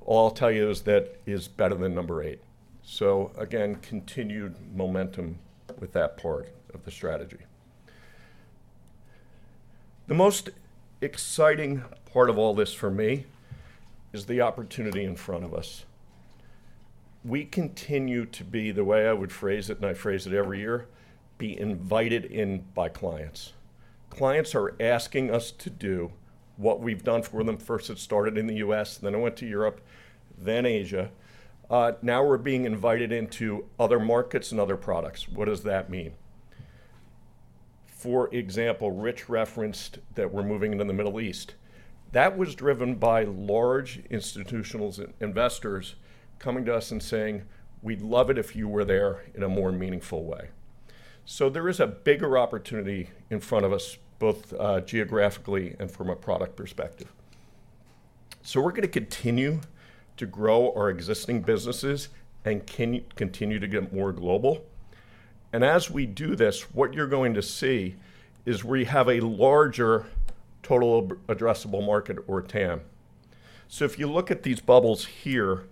All I'll tell you is that it's better than number eight. Again, continued momentum with that part of the strategy. The most exciting part of all this for me is the opportunity in front of us. We continue to be, the way I would phrase it, and I phrase it every year, be invited in by clients. Clients are asking us to do what we've done for them. First, it started in the U.S., then it went to Europe, then Asia. Now we're being invited into other markets and other products. What does that mean? For example, Rich referenced that we're moving into the Middle East. That was driven by large institutional investors coming to us and saying, "We'd love it if you were there in a more meaningful way." There is a bigger opportunity in front of us, both geographically and from a product perspective. We're gonna continue to grow our existing businesses and continue to get more global. As we do this, what you're going to see is we have a larger total addressable market or TAM. If you look at these bubbles here,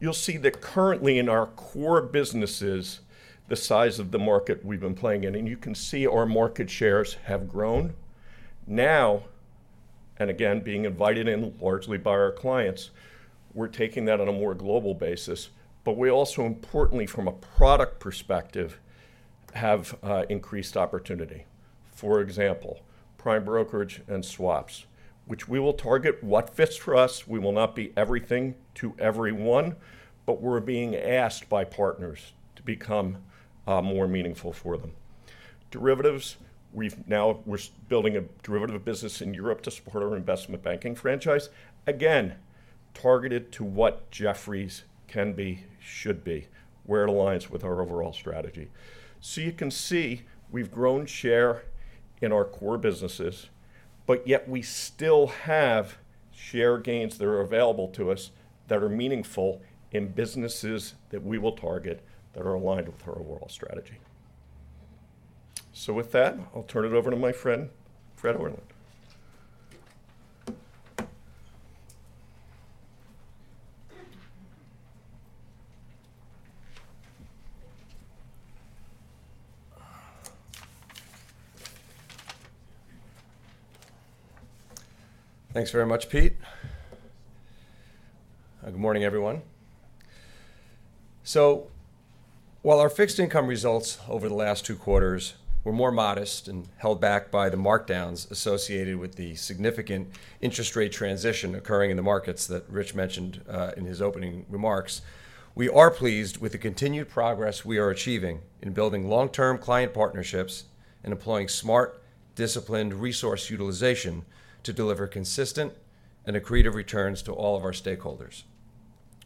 you'll see that currently in our core businesses, the size of the market we've been playing in, and you can see our market shares have grown. Now and again, being invited in largely by our clients, we're taking that on a more global basis. We also importantly, from a product perspective, have increased opportunity. For example, prime brokerage and swaps, which we will target what fits for us. We will not be everything to everyone, but we're being asked by partners to become more meaningful for them. Derivatives, we're building a derivative business in Europe to support our investment banking franchise. Again, targeted to what Jefferies can be, should be, where it aligns with our overall strategy. You can see we've grown share in our core businesses, but yet we still have share gains that are available to us that are meaningful in businesses that we will target that are aligned with our overall strategy. With that, I'll turn it over to my friend, Fred Orlan. Thanks very much, Pete. Good morning, everyone. While our fixed income results over the last two quarters were more modest and held back by the markdowns associated with the significant interest rate transition occurring in the markets that Rich mentioned in his opening remarks, we are pleased with the continued progress we are achieving in building long-term client partnerships and employing smart, disciplined resource utilization to deliver consistent and accretive returns to all of our stakeholders.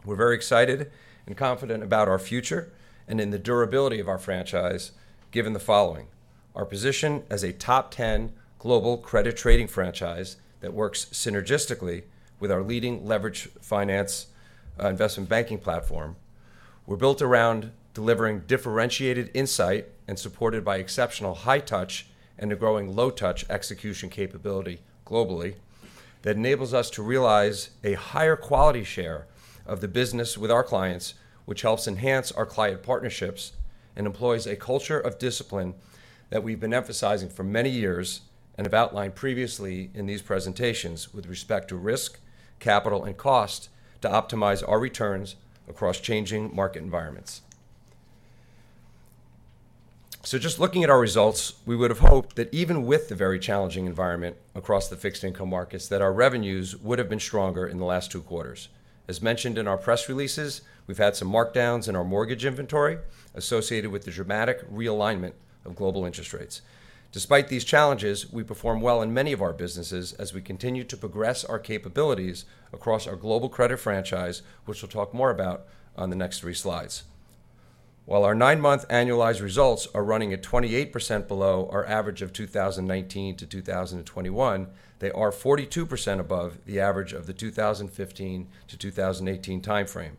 We're very excited and confident about our future and in the durability of our franchise, given the following. Our position as a top 10 global credit trading franchise that works synergistically with our leading leveraged finance investment banking platform. We're built around delivering differentiated insight and supported by exceptional high touch and a growing low touch execution capability globally that enables us to realize a higher quality share of the business with our clients, which helps enhance our client partnerships and employs a culture of discipline that we've been emphasizing for many years and have outlined previously in these presentations with respect to risk, capital, and cost to optimize our returns across changing market environments. Just looking at our results, we would have hoped that even with the very challenging environment across the fixed-income markets, that our revenues would have been stronger in the last two quarters. As mentioned in our press releases, we've had some markdowns in our mortgage inventory associated with the dramatic realignment of global interest rates. Despite these challenges, we perform well in many of our businesses as we continue to progress our capabilities across our global credit franchise, which we'll talk more about on the next three slides. While our nine-month annualized results are running at 28% below our average of 2019-2021, they are 42% above the average of the 2015-2018 timeframe.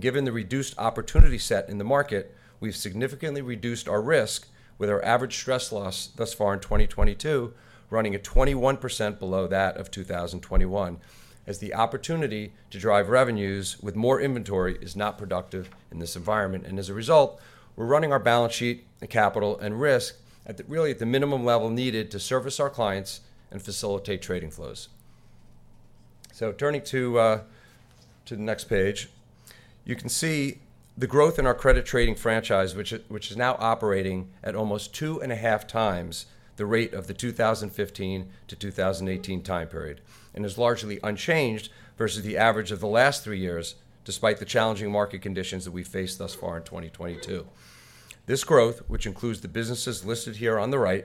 Given the reduced opportunity set in the market, we've significantly reduced our risk with our average stress loss thus far in 2022 running at 21% below that of 2021. As the opportunity to drive revenues with more inventory is not productive in this environment. As a result, we're running our balance sheet, the capital, and risk at really the minimum level needed to service our clients and facilitate trading flows. Turning to the next page, you can see the growth in our credit trading franchise, which is now operating at almost 2.5x the rate of the 2015 to 2018 time period, and is largely unchanged versus the average of the last three years, despite the challenging market conditions that we face thus far in 2022. This growth, which includes the businesses listed here on the right,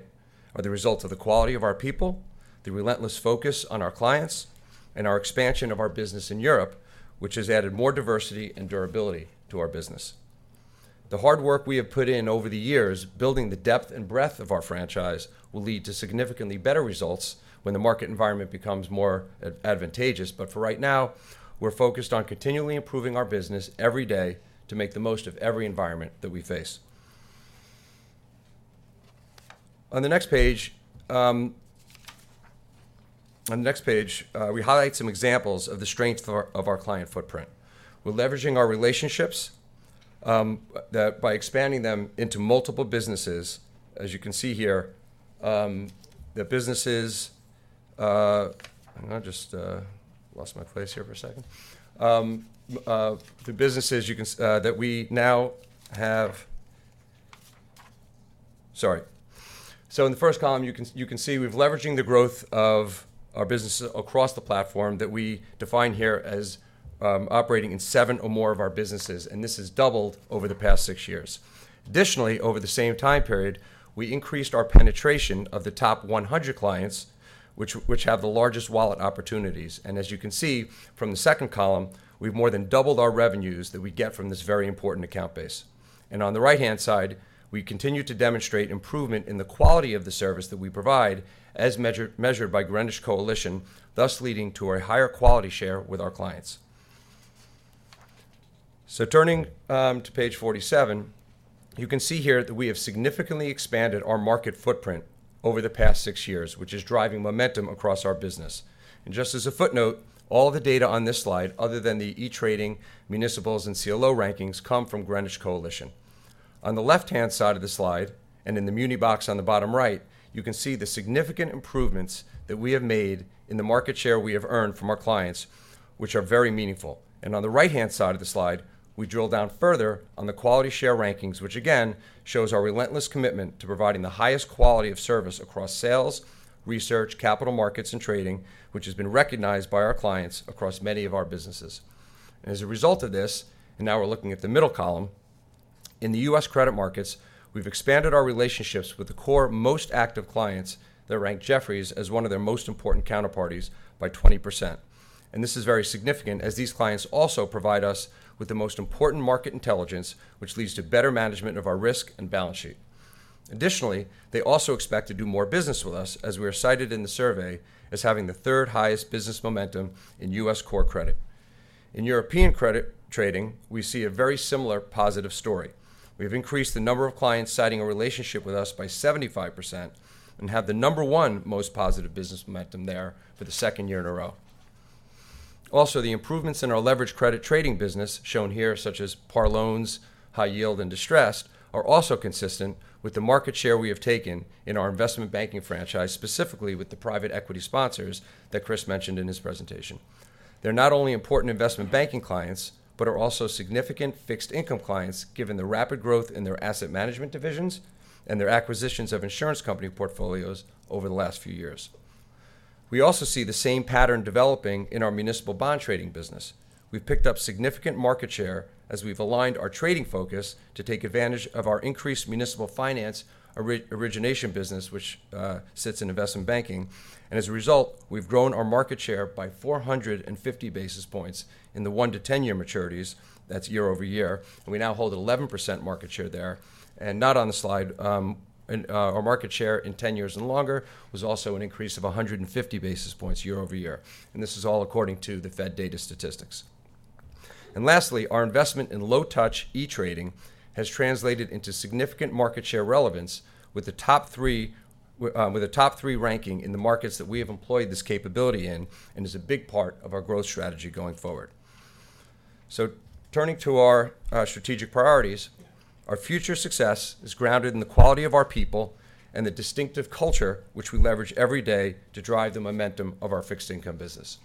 are the result of the quality of our people, the relentless focus on our clients, and our expansion of our business in Europe, which has added more diversity and durability to our business. The hard work we have put in over the years, building the depth and breadth of our franchise will lead to significantly better results when the market environment becomes more advantageous. For right now, we're focused on continually improving our business every day to make the most of every environment that we face. On the next page, we highlight some examples of the strength of our client footprint. We're leveraging our relationships by expanding them into multiple businesses. As you can see here, the businesses, hang on just, lost my place here for a second. The businesses that we now have. Sorry. In the first column, you can see we've leveraging the growth of our business across the platform that we define here as operating in seven or more of our businesses, and this has doubled over the past six years. Additionally, over the same time period, we increased our penetration of the top 100 clients, which have the largest wallet opportunities. As you can see from the second column, we've more than doubled our revenues that we get from this very important account base. On the right-hand side, we continue to demonstrate improvement in the quality of the service that we provide as measured by Coalition Greenwich, thus leading to a higher quality share with our clients. Turning to page 47, you can see here that we have significantly expanded our market footprint over the past six years, which is driving momentum across our business. Just as a footnote, all the data on this slide, other than the e-trading municipals and CLO rankings, come from Coalition Greenwich. On the left-hand side of the slide, and in the muni box on the bottom right, you can see the significant improvements that we have made in the market share we have earned from our clients, which are very meaningful. On the right-hand side of the slide, we drill down further on the quality share rankings, which again, shows our relentless commitment to providing the highest quality of service across sales, research, capital markets, and trading, which has been recognized by our clients across many of our businesses. As a result of this, and now we're looking at the middle column, in the U.S. credit markets, we've expanded our relationships with the core most active clients that rank Jefferies as one of their most important counterparties by 20%. This is very significant as these clients also provide us with the most important market intelligence, which leads to better management of our risk and balance sheet. Additionally, they also expect to do more business with us, as we are cited in the survey as having the third highest business momentum in U.S. core credit. In European credit trading, we see a very similar positive story. We've increased the number of clients citing a relationship with us by 75% and have the number one most positive business momentum there for the second year in a row. Also, the improvements in our leverage credit trading business, shown here such as par loans, high yield, and distressed, are also consistent with the market share we have taken in our investment banking franchise, specifically with the private equity sponsors that Chris mentioned in his presentation. They're not only important investment banking clients, but are also significant fixed income clients, given the rapid growth in their asset management divisions and their acquisitions of insurance company portfolios over the last few years. We also see the same pattern developing in our municipal bond trading business. We've picked up significant market share as we've aligned our trading focus to take advantage of our increased municipal finance origination business, which sits in investment banking. As a result, we've grown our market share by 450 basis points in the 1-10-year maturities. That's year-over-year. We now hold 11% market share there. Not on the slide, our market share in 10 years and longer was also an increase of 150 basis points year over year. This is all according to the Fed data statistics. Lastly, our investment in low touch e-trading has translated into significant market share relevance with the top three ranking in the markets that we have employed this capability in and is a big part of our growth strategy going forward. Turning to our strategic priorities, our future success is grounded in the quality of our people and the distinctive culture which we leverage every day to drive the momentum of our fixed income business.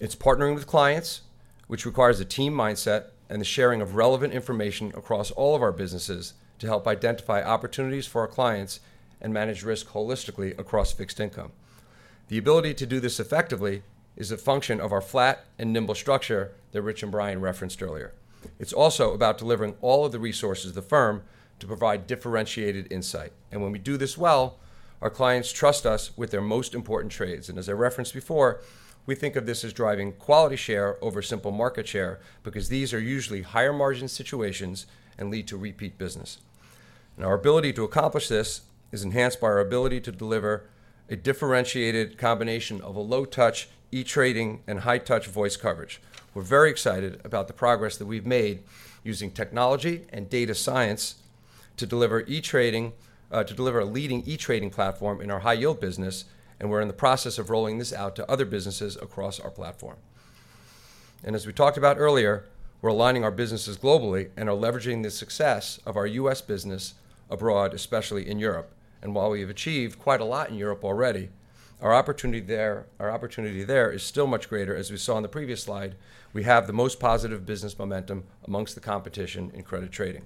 It's partnering with clients, which requires a team mindset and the sharing of relevant information across all of our businesses to help identify opportunities for our clients and manage risk holistically across fixed income. The ability to do this effectively is a function of our flat and nimble structure that Rich and Brian referenced earlier. It's also about delivering all of the resources of the firm to provide differentiated insight. When we do this well, our clients trust us with their most important trades. As I referenced before, we think of this as driving quality share over simple market share because these are usually higher margin situations and lead to repeat business. Our ability to accomplish this is enhanced by our ability to deliver a differentiated combination of a low touch e-trading and high touch voice coverage. We're very excited about the progress that we've made using technology and data science to deliver a leading e-trading platform in our high yield business, and we're in the process of rolling this out to other businesses across our platform. As we talked about earlier, we're aligning our businesses globally and are leveraging the success of our US business abroad, especially in Europe. While we have achieved quite a lot in Europe already, our opportunity there is still much greater. As we saw in the previous slide, we have the most positive business momentum amongst the competition in credit trading.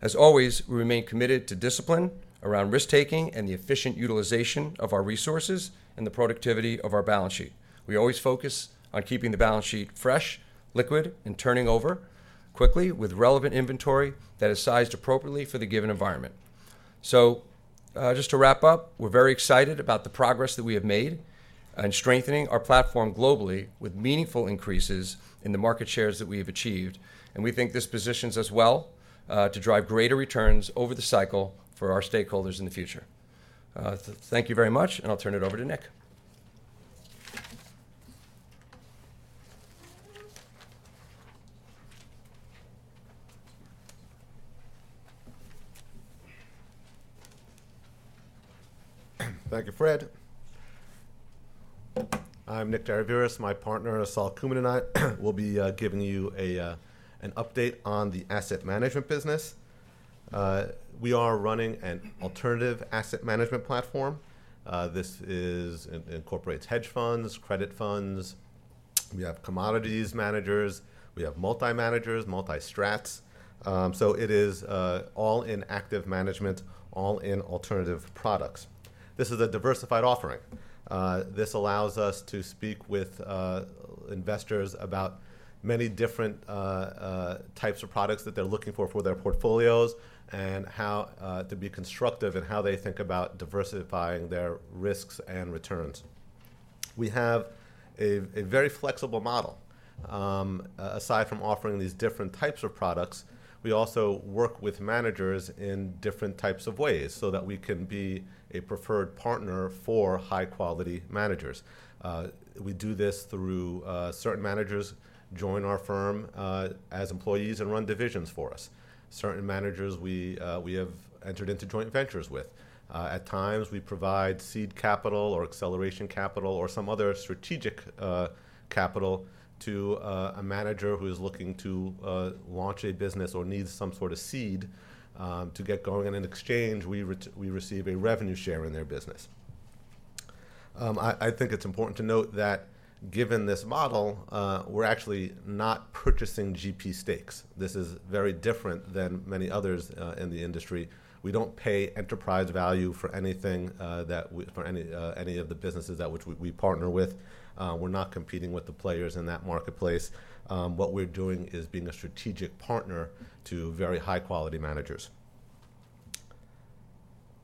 As always, we remain committed to discipline around risk-taking and the efficient utilization of our resources and the productivity of our balance sheet. We always focus on keeping the balance sheet fresh, liquid, and turning over quickly with relevant inventory that is sized appropriately for the given environment. Just to wrap up, we're very excited about the progress that we have made and strengthening our platform globally with meaningful increases in the market shares that we have achieved. We think this positions us well, to drive greater returns over the cycle for our stakeholders in the future. Thank you very much, and I'll turn it over to Nick. Thank you, Fred. I'm Nick Daraviras. My partner, Sol Kumin, and I will be giving you an update on the asset management business. We are running an alternative asset management platform. This incorporates hedge funds, credit funds. We have commodities managers. We have multi-managers, multi-strats. It is all in active management, all in alternative products. This is a diversified offering. This allows us to speak with investors about many different types of products that they're looking for their portfolios and how to be constructive in how they think about diversifying their risks and returns. We have a very flexible model. Aside from offering these different types of products, we also work with managers in different types of ways so that we can be a preferred partner for high-quality managers. We do this through certain managers join our firm as employees and run divisions for us. Certain managers we have entered into joint ventures with. At times, we provide seed capital or acceleration capital or some other strategic capital to a manager who is looking to launch a business or needs some sort of seed to get going, and in exchange, we receive a revenue share in their business. I think it's important to note that given this model, we're actually not purchasing GP stakes. This is very different than many others in the industry. We don't pay enterprise value for anything for any of the businesses that we partner with. We're not competing with the players in that marketplace. What we're doing is being a strategic partner to very high-quality managers.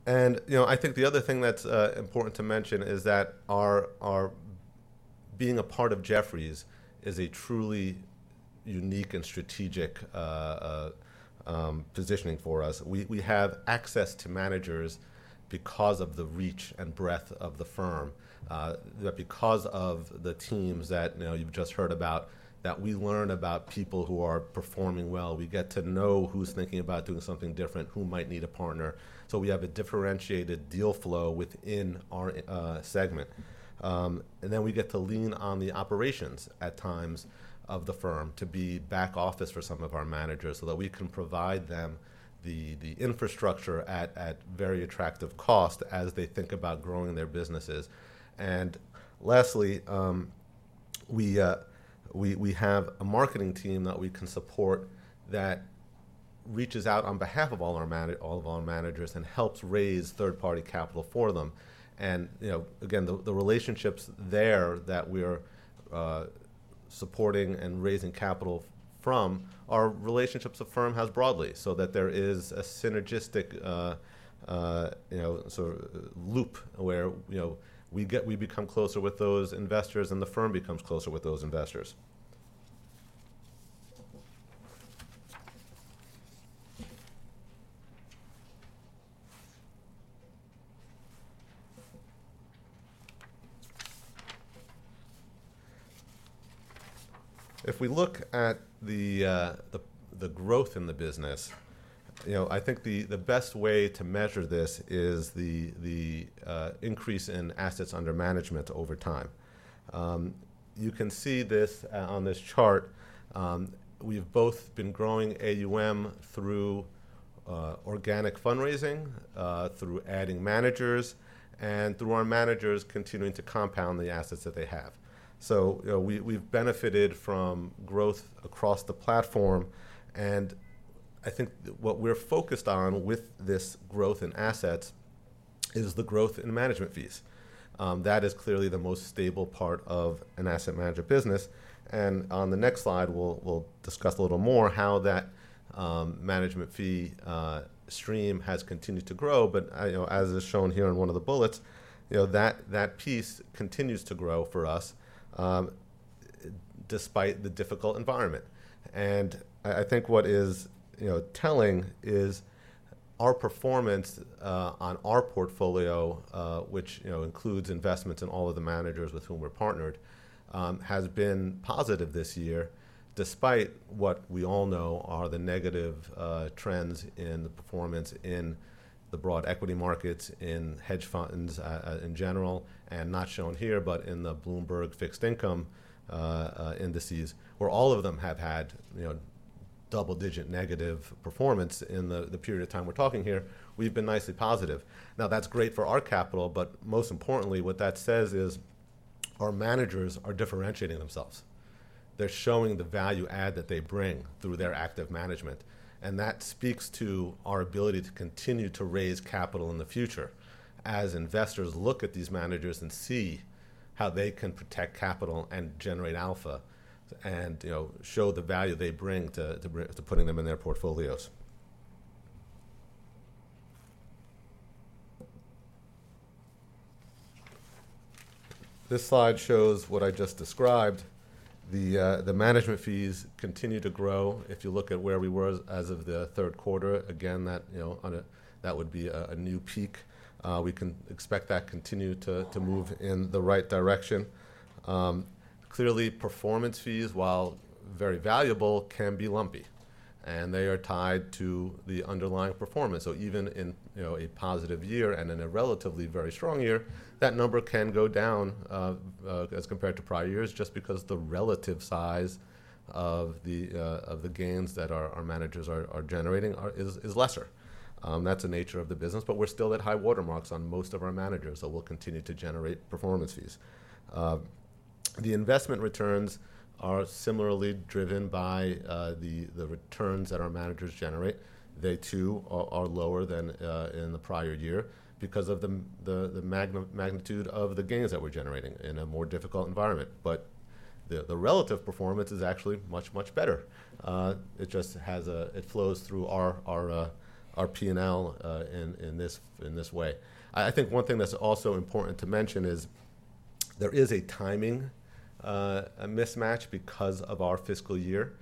You know, I think the other thing that's important to mention is that our being a part of Jefferies is a truly unique and strategic positioning for us. We have access to managers because of the reach and breadth of the firm. Because of the teams that, you know, you've just heard about, that we learn about people who are performing well. We get to know who's thinking about doing something different, who might need a partner. We have a differentiated deal flow within our segment. We get to lean on the operations at times of the firm to be back office for some of our managers so that we can provide them the infrastructure at very attractive cost as they think about growing their businesses. Lastly, we have a marketing team that we can support that reaches out on behalf of all our managers and helps raise third-party capital for them. You know, again, the relationships there that we're supporting and raising capital from are relationships the firm has broadly, so that there is a synergistic, you know, sort of loop where we become closer with those investors, and the firm becomes closer with those investors. If we look at the growth in the business, you know, I think the best way to measure this is the increase in assets under management over time. You can see this on this chart. We've both been growing AUM through organic fundraising through adding managers and through our managers continuing to compound the assets that they have. You know, we've benefited from growth across the platform, and I think what we're focused on with this growth in assets is the growth in management fees. That is clearly the most stable part of an asset manager business. On the next slide, we'll discuss a little more how that management fee stream has continued to grow. you know, as is shown here in one of the bullets, you know, that piece continues to grow for us, despite the difficult environment. I think what is telling is our performance on our portfolio, which, you know, includes investments in all of the managers with whom we're partnered, has been positive this year despite what we all know are the negative trends in the performance in the broad equity markets, in hedge funds, in general, and not shown here, but in the Bloomberg fixed income indices, where all of them have had, you know, double-digit negative performance in the period of time we're talking here, we've been nicely positive. Now, that's great for our capital, but most importantly, what that says is our managers are differentiating themselves. They're showing the value add that they bring through their active management, and that speaks to our ability to continue to raise capital in the future as investors look at these managers and see how they can protect capital and generate alpha and, you know, show the value they bring to putting them in their portfolios. This slide shows what I just described. The management fees continue to grow. If you look at where we were as of the third quarter, again, that, you know, that would be a new peak. We can expect that continue to move in the right direction. Clearly, performance fees, while very valuable, can be lumpy, and they are tied to the underlying performance. Even in, you know, a positive year and in a relatively very strong year, that number can go down as compared to prior years just because the relative size of the gains that our managers are generating is lesser. That's the nature of the business, but we're still at high watermarks on most of our managers, so we'll continue to generate performance fees. The investment returns are similarly driven by the returns that our managers generate. They too are lower than in the prior year because of the magnitude of the gains that we're generating in a more difficult environment. But the relative performance is actually much better. It just flows through our P&L in this way. I think one thing that's also important to mention is there is a timing mismatch because of our fiscal year.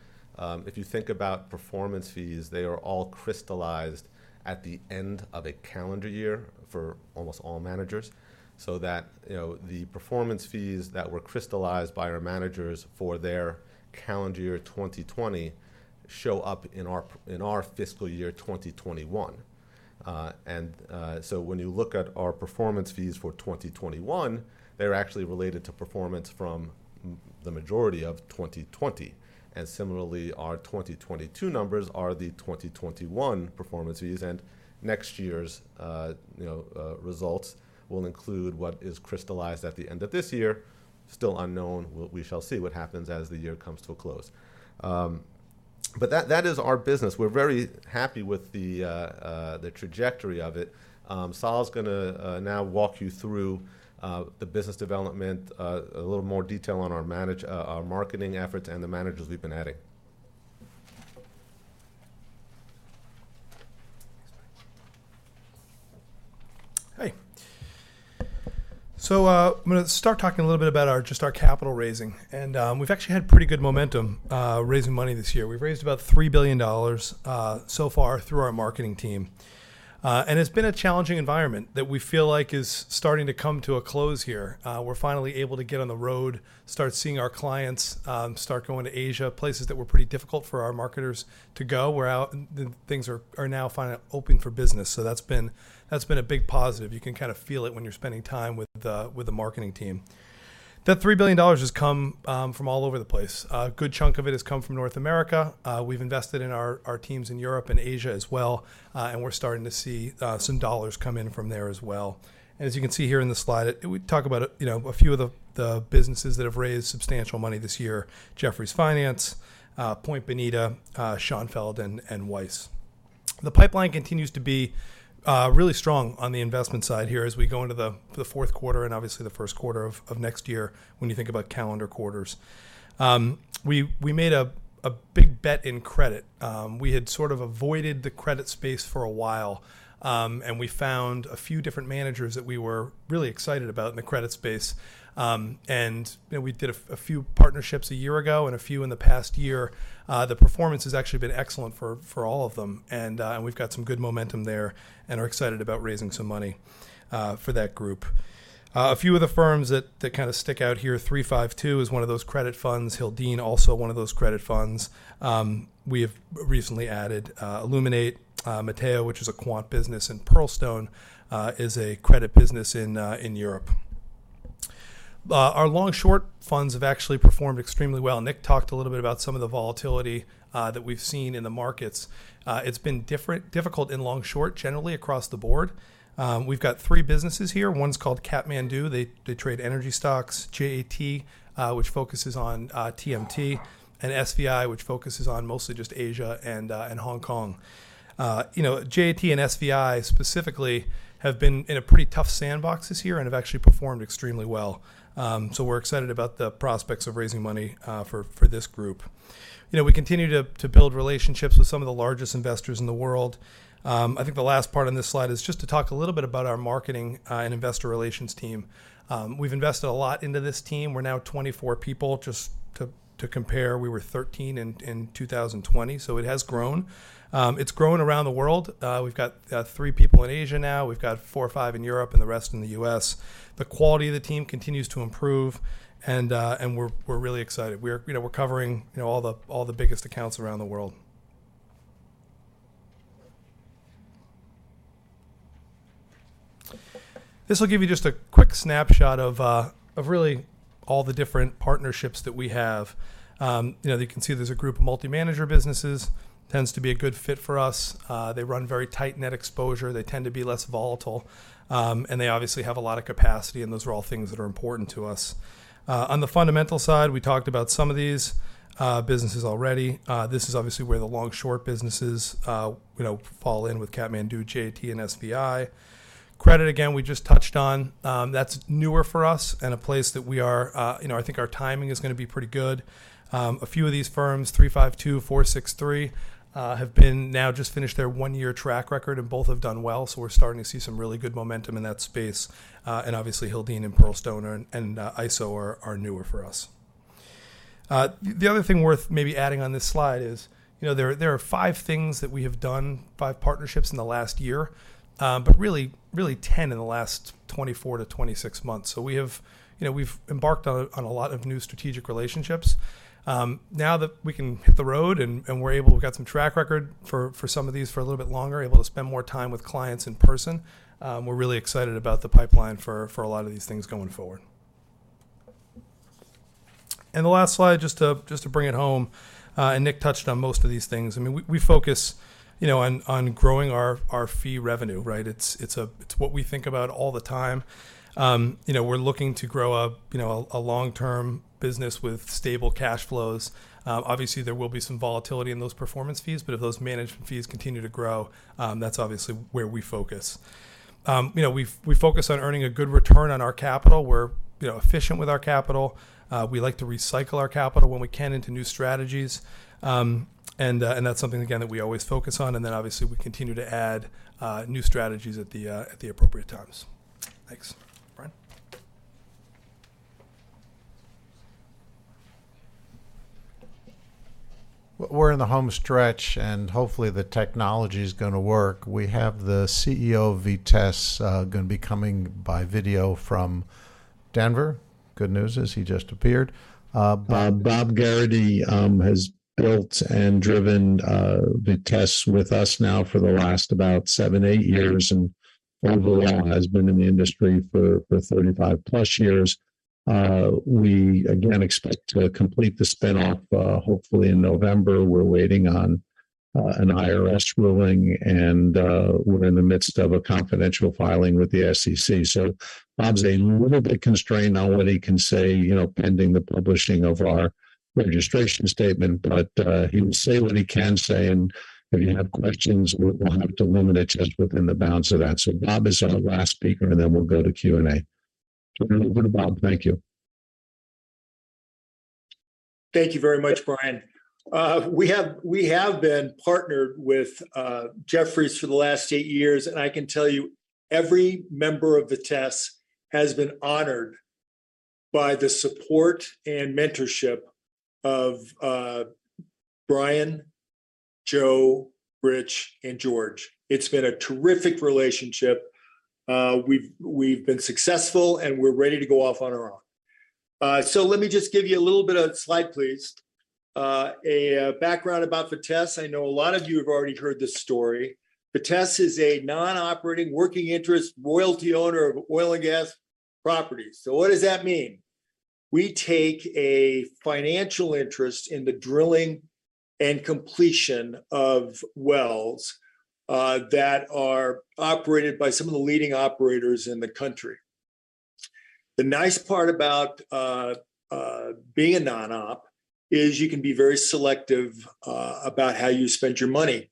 If you think about performance fees, they are all crystallized at the end of a calendar year for almost all managers so that, you know, the performance fees that were crystallized by our managers for their calendar year 2020 show up in our fiscal year 2021. When you look at our performance fees for 2021, they're actually related to performance from the majority of 2020. Similarly, our 2022 numbers are the 2021 performance fees, and next year's, you know, results will include what is crystallized at the end of this year. Still unknown. We shall see what happens as the year comes to a close. That is our business. We're very happy with the trajectory of it. Sol's gonna now walk you through the business development, a little more detail on our marketing efforts and the managers we've been adding. Hi. I'm gonna start talking a little bit about our, just our capital raising. We've actually had pretty good momentum raising money this year. We've raised about $3 billion so far through our marketing team. It's been a challenging environment that we feel like is starting to come to a close here. We're finally able to get on the road, start seeing our clients, start going to Asia, places that were pretty difficult for our marketers to go. We're out, and things are now finally open for business. That's been a big positive. You can kinda feel it when you're spending time with the marketing team. That $3 billion has come from all over the place. A good chunk of it has come from North America. We've invested in our teams in Europe and Asia as well, and we're starting to see some dollars come in from there as well. As you can see here in the slide, we talk about, you know, a few of the businesses that have raised substantial money this year, Jefferies Finance, Point Bonita, Schonfeld, and Weiss. The pipeline continues to be really strong on the investment side here as we go into the fourth quarter and obviously the first quarter of next year when you think about calendar quarters. We made a big bet in credit. We had sort of avoided the credit space for a while. We found a few different managers that we were really excited about in the credit space. You know, we did a few partnerships a year ago and a few in the past year. The performance has actually been excellent for all of them. We've got some good momentum there and are excited about raising some money for that group. A few of the firms that kinda stick out here, 3|5|2 is one of those credit funds. Hildene also one of those credit funds. We have recently added Illuminate, Manteio, which is a quant business, and Pearlstone is a credit business in Europe. Our long-short funds have actually performed extremely well. Nick talked a little bit about some of the volatility that we've seen in the markets. It's been difficult in long-short, generally across the board. We've got three businesses here. One's called Kathmandu. They trade energy stocks. JAT, which focuses on TMT, and SVI, which focuses on mostly just Asia and Hong Kong. You know, JAT and SVI specifically have been in a pretty tough sandbox this year and have actually performed extremely well. So we're excited about the prospects of raising money for this group. You know, we continue to build relationships with some of the largest investors in the world. I think the last part on this slide is just to talk a little bit about our marketing and investor relations team. We've invested a lot into this team. We're now 24 people. Just to compare, we were 13 in 2020, so it has grown. It's grown around the world. We've got three people in Asia now. We've got four or five in Europe and the rest in the U.S. The quality of the team continues to improve and we're really excited. We're, you know, covering, you know, all the biggest accounts around the world. This will give you just a quick snapshot of really all the different partnerships that we have. You know, you can see there's a group of multi-manager businesses. Tends to be a good fit for us. They run very tight net exposure. They tend to be less volatile. They obviously have a lot of capacity, and those are all things that are important to us. On the fundamental side, we talked about some of these businesses already. This is obviously where the long-short businesses, you know, fall in with Kathmandu, JAT, and SVI. Credit, again we just touched on. That's newer for us and a place that we are, you know, I think our timing is gonna be pretty good. A few of these firms, 3|5|2, FourSixThree have now just finished their 1-year track record, and both have done well, so we're starting to see some really good momentum in that space. And obviously Hildene and Pearlstone and ISO are newer for us. The other thing worth maybe adding on this slide is, you know, there are five things that we have done, five partnerships in the last year, but really 10 in the last 24-26 months. We have, you know, we've embarked on a lot of new strategic relationships. Now that we can hit the road and we're able, we've got some track record for some of these for a little bit longer, able to spend more time with clients in person, we're really excited about the pipeline for a lot of these things going forward. The last slide, just to bring it home, and Nick touched on most of these things. I mean, we focus, you know, on growing our fee revenue, right? It's what we think about all the time. You know, we're looking to grow a long-term business with stable cash flows. Obviously, there will be some volatility in those performance fees, but if those management fees continue to grow, that's obviously where we focus. You know, we focus on earning a good return on our capital. We're, you know, efficient with our capital. We like to recycle our capital when we can into new strategies. And that's something again that we always focus on. Obviously, we continue to add new strategies at the appropriate times. Thanks. Brian? We're in the home stretch, and hopefully the technology's gonna work. We have the CEO of Vitesse gonna be coming by video from Denver. Good news is he just appeared. Bob Bob Gerrity has built and driven Vitesse with us now for the last about seven or eight years and overall has been in the industry for 35+ years. We again expect to complete the spin-off, hopefully in November. We're waiting on an IRS ruling, and we're in the midst of a confidential filing with the SEC. Bob's a little bit constrained on what he can say, you know, pending the publishing of our registration statement. He will say what he can say, and if you have questions, we'll have to limit it just within the bounds of that. Bob is our last speaker, and then we'll go to Q&A. Over to Bob. Thank you. Thank you very much, Brian. We have been partnered with Jefferies for the last eight years, and I can tell you every member of Vitesse has been honored by the support and mentorship of Brian, Joe, Rich, and George. It's been a terrific relationship. We've been successful, and we're ready to go off on our own. Let me just give you a little bit of a background about Vitesse. Slide, please. I know a lot of you have already heard this story. Vitesse is a non-operating working interest royalty owner of oil and gas properties. What does that mean? We take a financial interest in the drilling and completion of wells that are operated by some of the leading operators in the country. The nice part about being a non-op is you can be very selective about how you spend your money.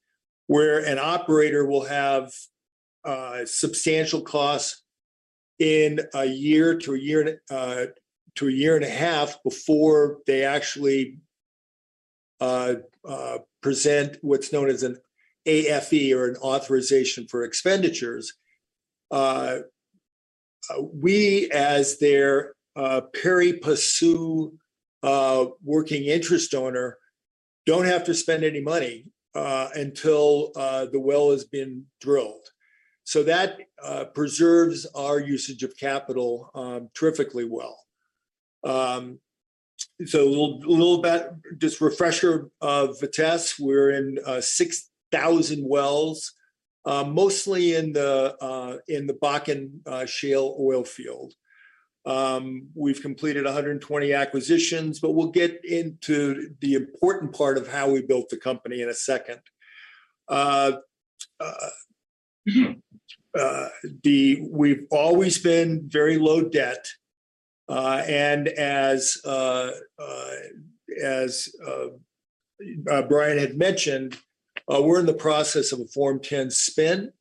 Where an operator will have substantial costs in a year to a year and a half before they actually present what's known as an AFE or an Authorization for Expenditures, we as their working interest owner don't have to spend any money until the well has been drilled. That preserves our usage of capital terrifically well. A little bit just refresher of Vitesse. We're in 6,000 wells, mostly in the Bakken shale oil field. We've completed 120 acquisitions, but we'll get into the important part of how we built the company in a second. We've always been very low debt, and as Brian had mentioned, we're in the process of a Form 10 spin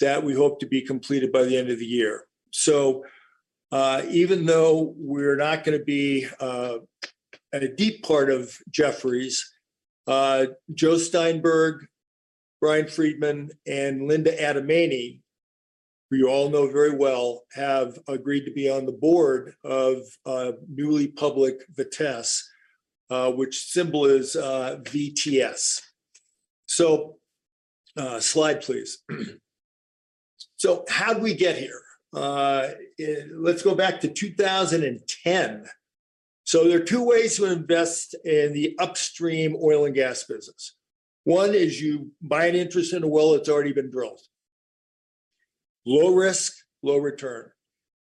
that we hope to be completed by the end of the year. Even though we're not gonna be deeply a part of Jefferies, Joe Steinberg, Brian Friedman, and Linda Adamany, who you all know very well, have agreed to be on the board of newly public Vitesse, which symbol is VTS. Slide please. How'd we get here? Let's go back to 2010. There are two ways to invest in the upstream oil and gas business. One is you buy an interest in a well that's already been drilled. Low risk, low return,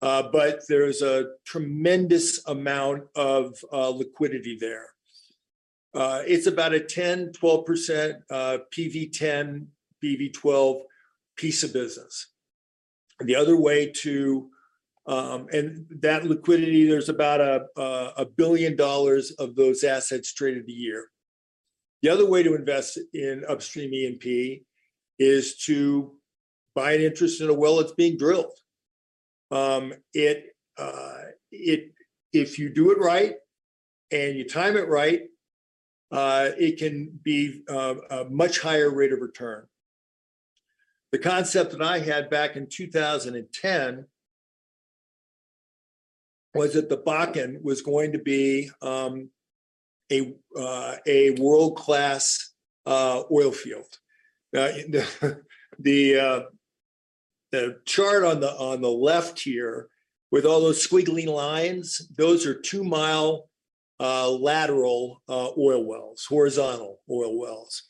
but there's a tremendous amount of liquidity there. It's about a 10%-12% PV10, PV12 piece of business. That liquidity, there's about $1 billion of those assets traded a year. The other way to invest in upstream E&P is to buy an interest in a well that's being drilled. If you do it right and you time it right, it can be a much higher rate of return. The concept that I had back in 2010 was that the Bakken was going to be a world-class oil field. The chart on the left here with all those squiggly lines, those are 2-mile lateral oil wells, horizontal oil wells.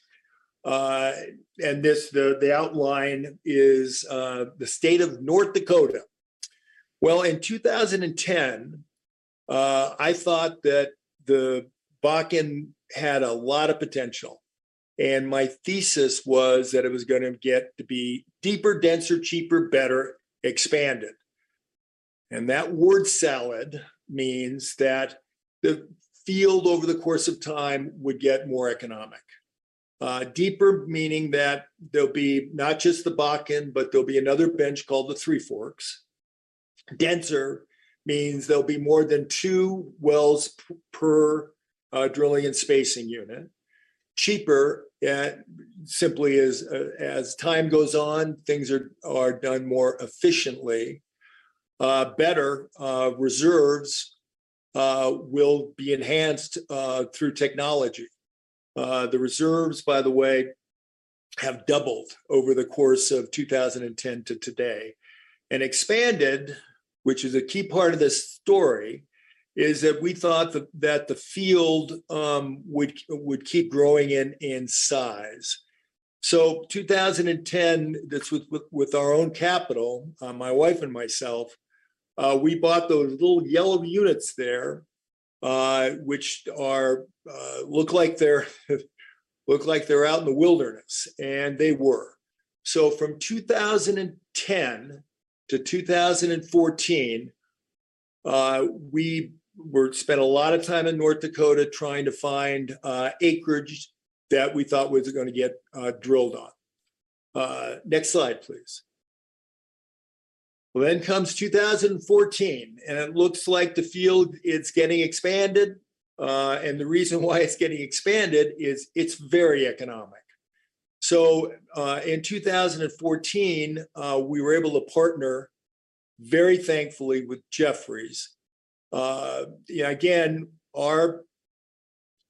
This outline is the state of North Dakota. Well, in 2010, I thought that the Bakken had a lot of potential, and my thesis was that it was gonna get to be deeper, denser, cheaper, better, expanded. That word salad means that the field over the course of time would get more economic. Deeper meaning that there'll be not just the Bakken, but there'll be another bench called the Three Forks. Denser means there'll be more than two wells per drilling and spacing unit. Cheaper, as simply as time goes on, things are done more efficiently. Better, reserves will be enhanced through technology. The reserves, by the way, have doubled over the course of 2010 to today. Expanded, which is a key part of this story, is that we thought that the field would keep growing in size. 2010, that's with our own capital, my wife and myself, we bought those little yellow units there, which look like they're out in the wilderness, and they were. From 2010 to 2014, we spent a lot of time in North Dakota trying to find acreage that we thought was gonna get drilled on. Next slide, please. 2014 comes, and it looks like the field is getting expanded. The reason why it's getting expanded is it's very economic. In 2014, we were able to partner very thankfully with Jefferies. You know, again, our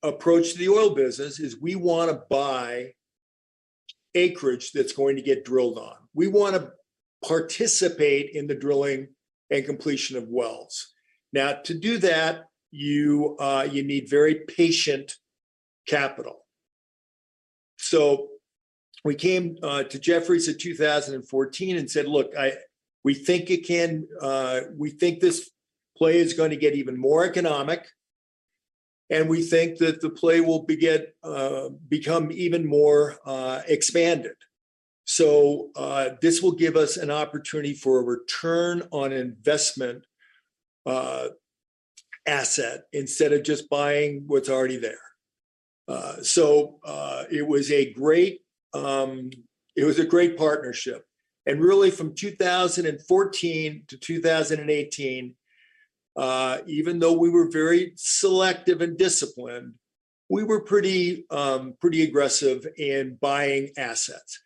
approach to the oil business is we wanna buy acreage that's going to get drilled on. We wanna participate in the drilling and completion of wells. Now, to do that, you need very patient capital. We came to Jefferies in 2014 and said, "Look, we think this play is gonna get even more economic." We think that the play will become even more expanded. This will give us an opportunity for a return on investment asset instead of just buying what's already there. It was a great partnership. Really from 2014 to 2018, even though we were very selective and disciplined, we were pretty aggressive in buying assets.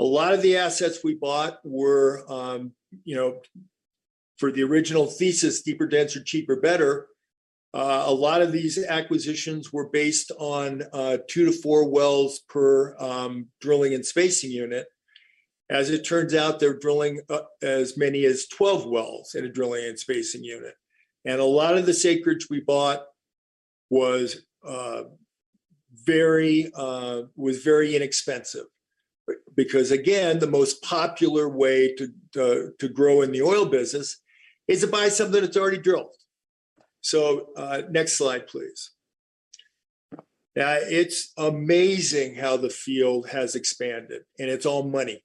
A lot of the assets we bought were, you know, for the original thesis, deeper, denser, cheaper, better. A lot of these acquisitions were based on 2-4 wells per drilling and spacing unit. As it turns out, they're drilling as many as 12 wells in a drilling and spacing unit. A lot of the acreage we bought was very inexpensive. Because again, the most popular way to grow in the oil business is to buy something that's already drilled. Next slide, please. It's amazing how the field has expanded, and it's all money.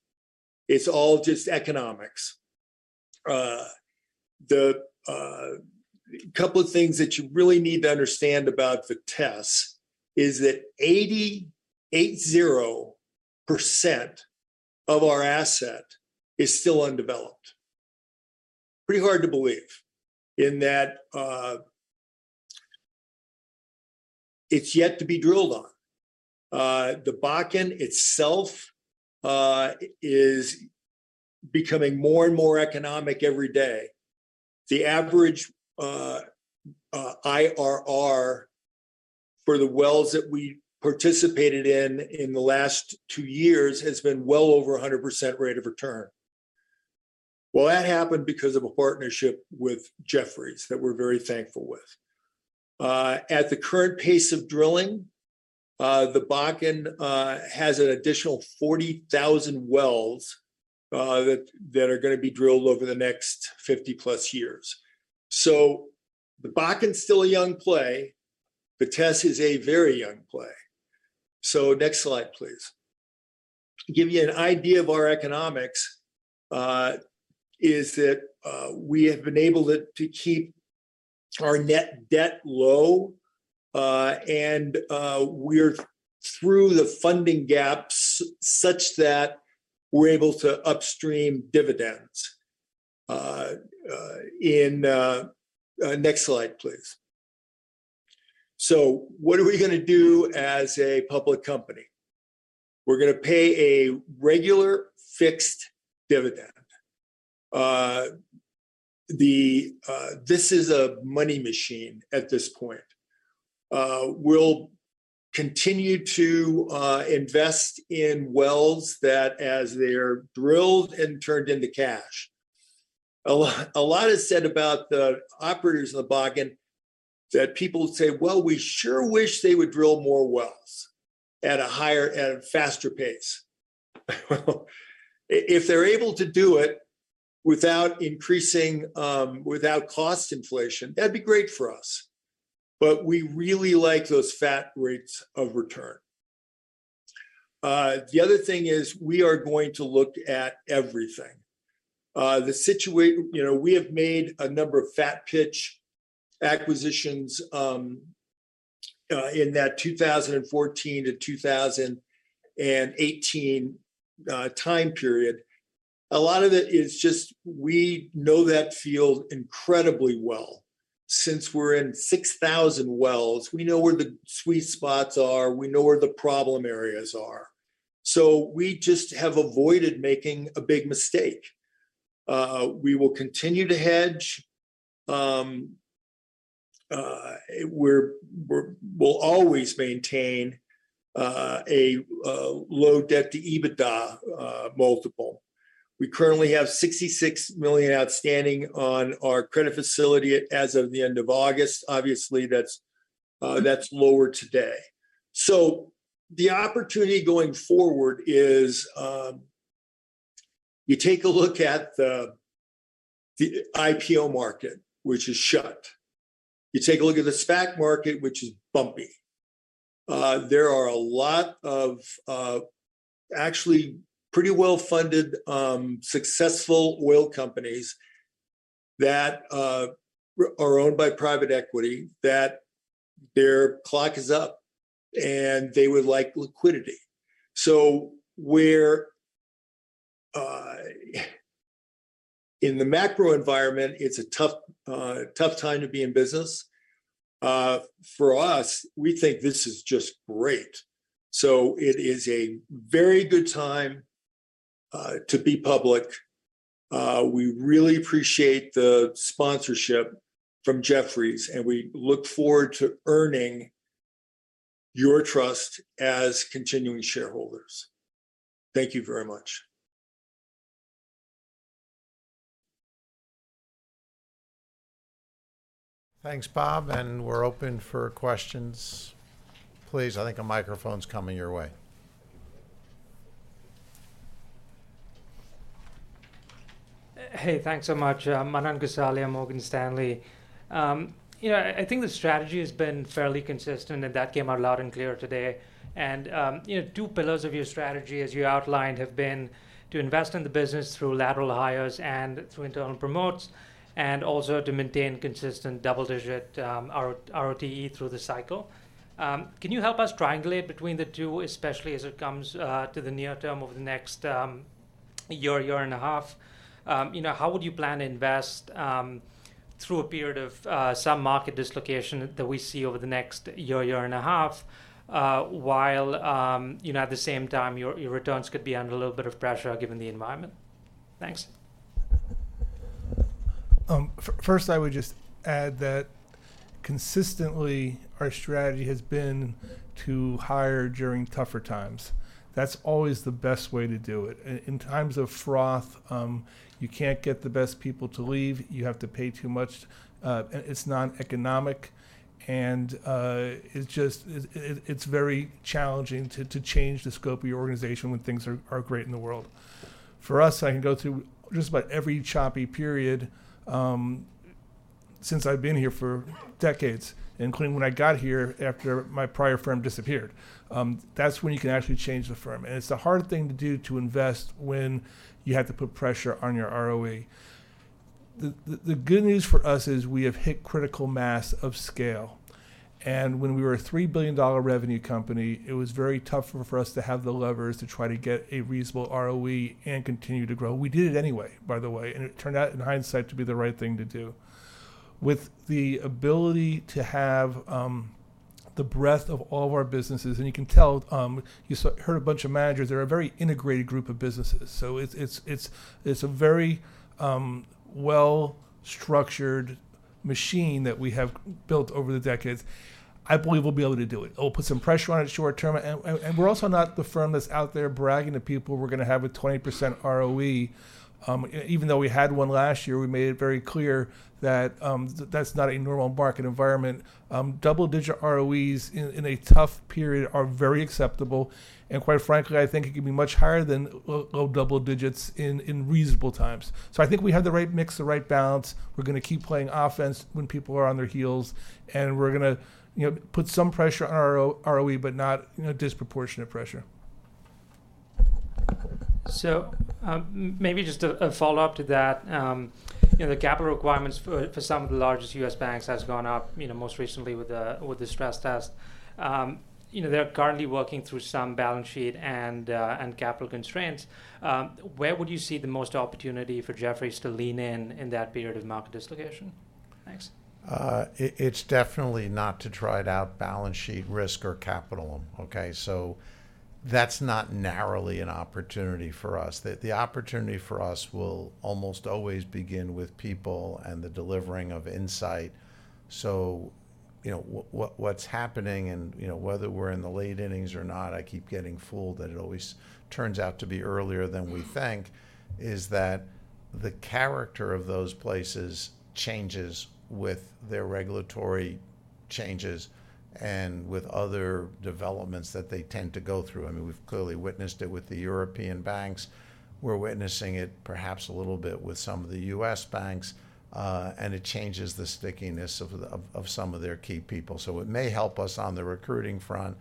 It's all just economics. The couple of things that you really need to understand about the asset is that 88.0% of our asset is still undeveloped. Pretty hard to believe that it's yet to be drilled on. The Bakken itself is becoming more and more economic every day. The average IRR for the wells that we participated in in the last two years has been well over 100% rate of return. Well, that happened because of a partnership with Jefferies that we're very thankful with. At the current pace of drilling, the Bakken has an additional 40,000 wells that are gonna be drilled over the next 50+ years. The Bakken's still a young play. The asset is a very young play. Next slide, please. To give you an idea of our economics, is that we have been able to keep our net debt low, and we're through the funding gaps such that we're able to upstream dividends. Next slide, please. What are we gonna do as a public company? We're gonna pay a regular fixed dividend. This is a money machine at this point. We'll continue to invest in wells that, as they're drilled and turned into cash. A lot is said about the operators in the Bakken that people say, "Well, we sure wish they would drill more wells at a higher, at a faster pace." Well, if they're able to do it without increasing, without cost inflation, that'd be great for us. We really like those fat rates of return. The other thing is we are going to look at everything. You know, we have made a number of fat pitch acquisitions in that 2014-2018 time period. A lot of it is just we know that field incredibly well. Since we're in 6,000 wells, we know where the sweet spots are, we know where the problem areas are. We just have avoided making a big mistake. We will continue to hedge. We'll always maintain a low debt to EBITDA multiple. We currently have $66 million outstanding on our credit facility as of the end of August. Obviously, that's lower today. The opportunity going forward is you take a look at the IPO market, which is shut. You take a look at the SPAC market, which is bumpy. There are a lot of, actually pretty well-funded, successful oil companies that are owned by private equity, that their clock is up, and they would like liquidity. We're in the macro environment, it's a tough time to be in business. For us, we think this is just great. It is a very good time to be public. We really appreciate the sponsorship from Jefferies, and we look forward to earning your trust as continuing shareholders. Thank you very much. Thanks, Bob, and we're open for questions. Please, I think a microphone's coming your way. Hey, thanks so much. Manan Gosalia, Morgan Stanley. You know, I think the strategy has been fairly consistent, and that came out loud and clear today. You know, two pillars of your strategy as you outlined have been to invest in the business through lateral hires and through internal promotes, and also to maintain consistent double-digit ROTE through the cycle. Can you help us triangulate between the two, especially as it comes to the near term over the next year and a half? You know, how would you plan to invest through a period of some market dislocation that we see over the next year and a half, while you know, at the same time your returns could be under a little bit of pressure given the environment? Thanks. First, I would just add that consistently our strategy has been to hire during tougher times. That's always the best way to do it. In times of froth, you can't get the best people to leave, you have to pay too much. And it's not economic and, it's just. It's very challenging to change the scope of your organization when things are great in the world. For us, I can go through just about every choppy period, since I've been here for decades, including when I got here after my prior firm disappeared. That's when you can actually change the firm. It's a hard thing to do to invest when you have to put pressure on your ROE. The good news for us is we have hit critical mass of scale, and when we were a $3 billion revenue company, it was very tough for us to have the levers to try to get a reasonable ROE and continue to grow. We did it anyway, by the way, and it turned out in hindsight to be the right thing to do. With the ability to have the breadth of all of our businesses, and you can tell you've heard a bunch of managers, they're a very integrated group of businesses. So it's a very well-structured machine that we have built over the decades. I believe we'll be able to do it. It'll put some pressure on it short term. We're also not the firm that's out there bragging to people we're gonna have a 20% ROE. Even though we had one last year, we made it very clear that that's not a normal market environment. Double-digit ROEs in a tough period are very acceptable. Quite frankly, I think it can be much higher than low double digits in reasonable times. I think we have the right mix, the right balance. We're gonna keep playing offense when people are on their heels, and we're gonna, you know, put some pressure on our ROE, but not, you know, disproportionate pressure. Maybe just a follow-up to that. You know, the capital requirements for some of the largest U.S. banks has gone up, you know, most recently with the stress test. You know, they're currently working through some balance sheet and capital constraints. Where would you see the most opportunity for Jefferies to lean in in that period of market dislocation? Thanks. It's definitely not to try to off-balance-sheet risk or capital, okay? That's not narrowly an opportunity for us. The opportunity for us will almost always begin with people and the delivering of insight. You know, what's happening and, you know, whether we're in the late innings or not, I keep getting fooled that it always turns out to be earlier than we think, is that the character of those places changes with their regulatory changes and with other developments that they tend to go through. I mean, we've clearly witnessed it with the European banks. We're witnessing it perhaps a little bit with some of the U.S. banks, and it changes the stickiness of some of their key people. It may help us on the recruiting front.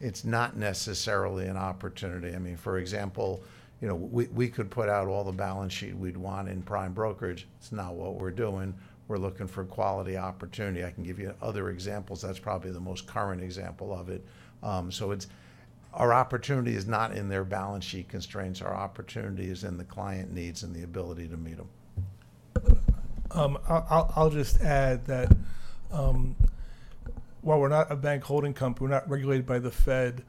It's not necessarily an opportunity. I mean, for example, you know, we could put out all the balance sheet we'd want in prime brokerage. It's not what we're doing. We're looking for quality opportunity. I can give you other examples. That's probably the most current example of it. So our opportunity is not in their balance sheet constraints. Our opportunity is in the client needs and the ability to meet them. I'll just add that, while we're not a bank holding company, we're not regulated by the Fed,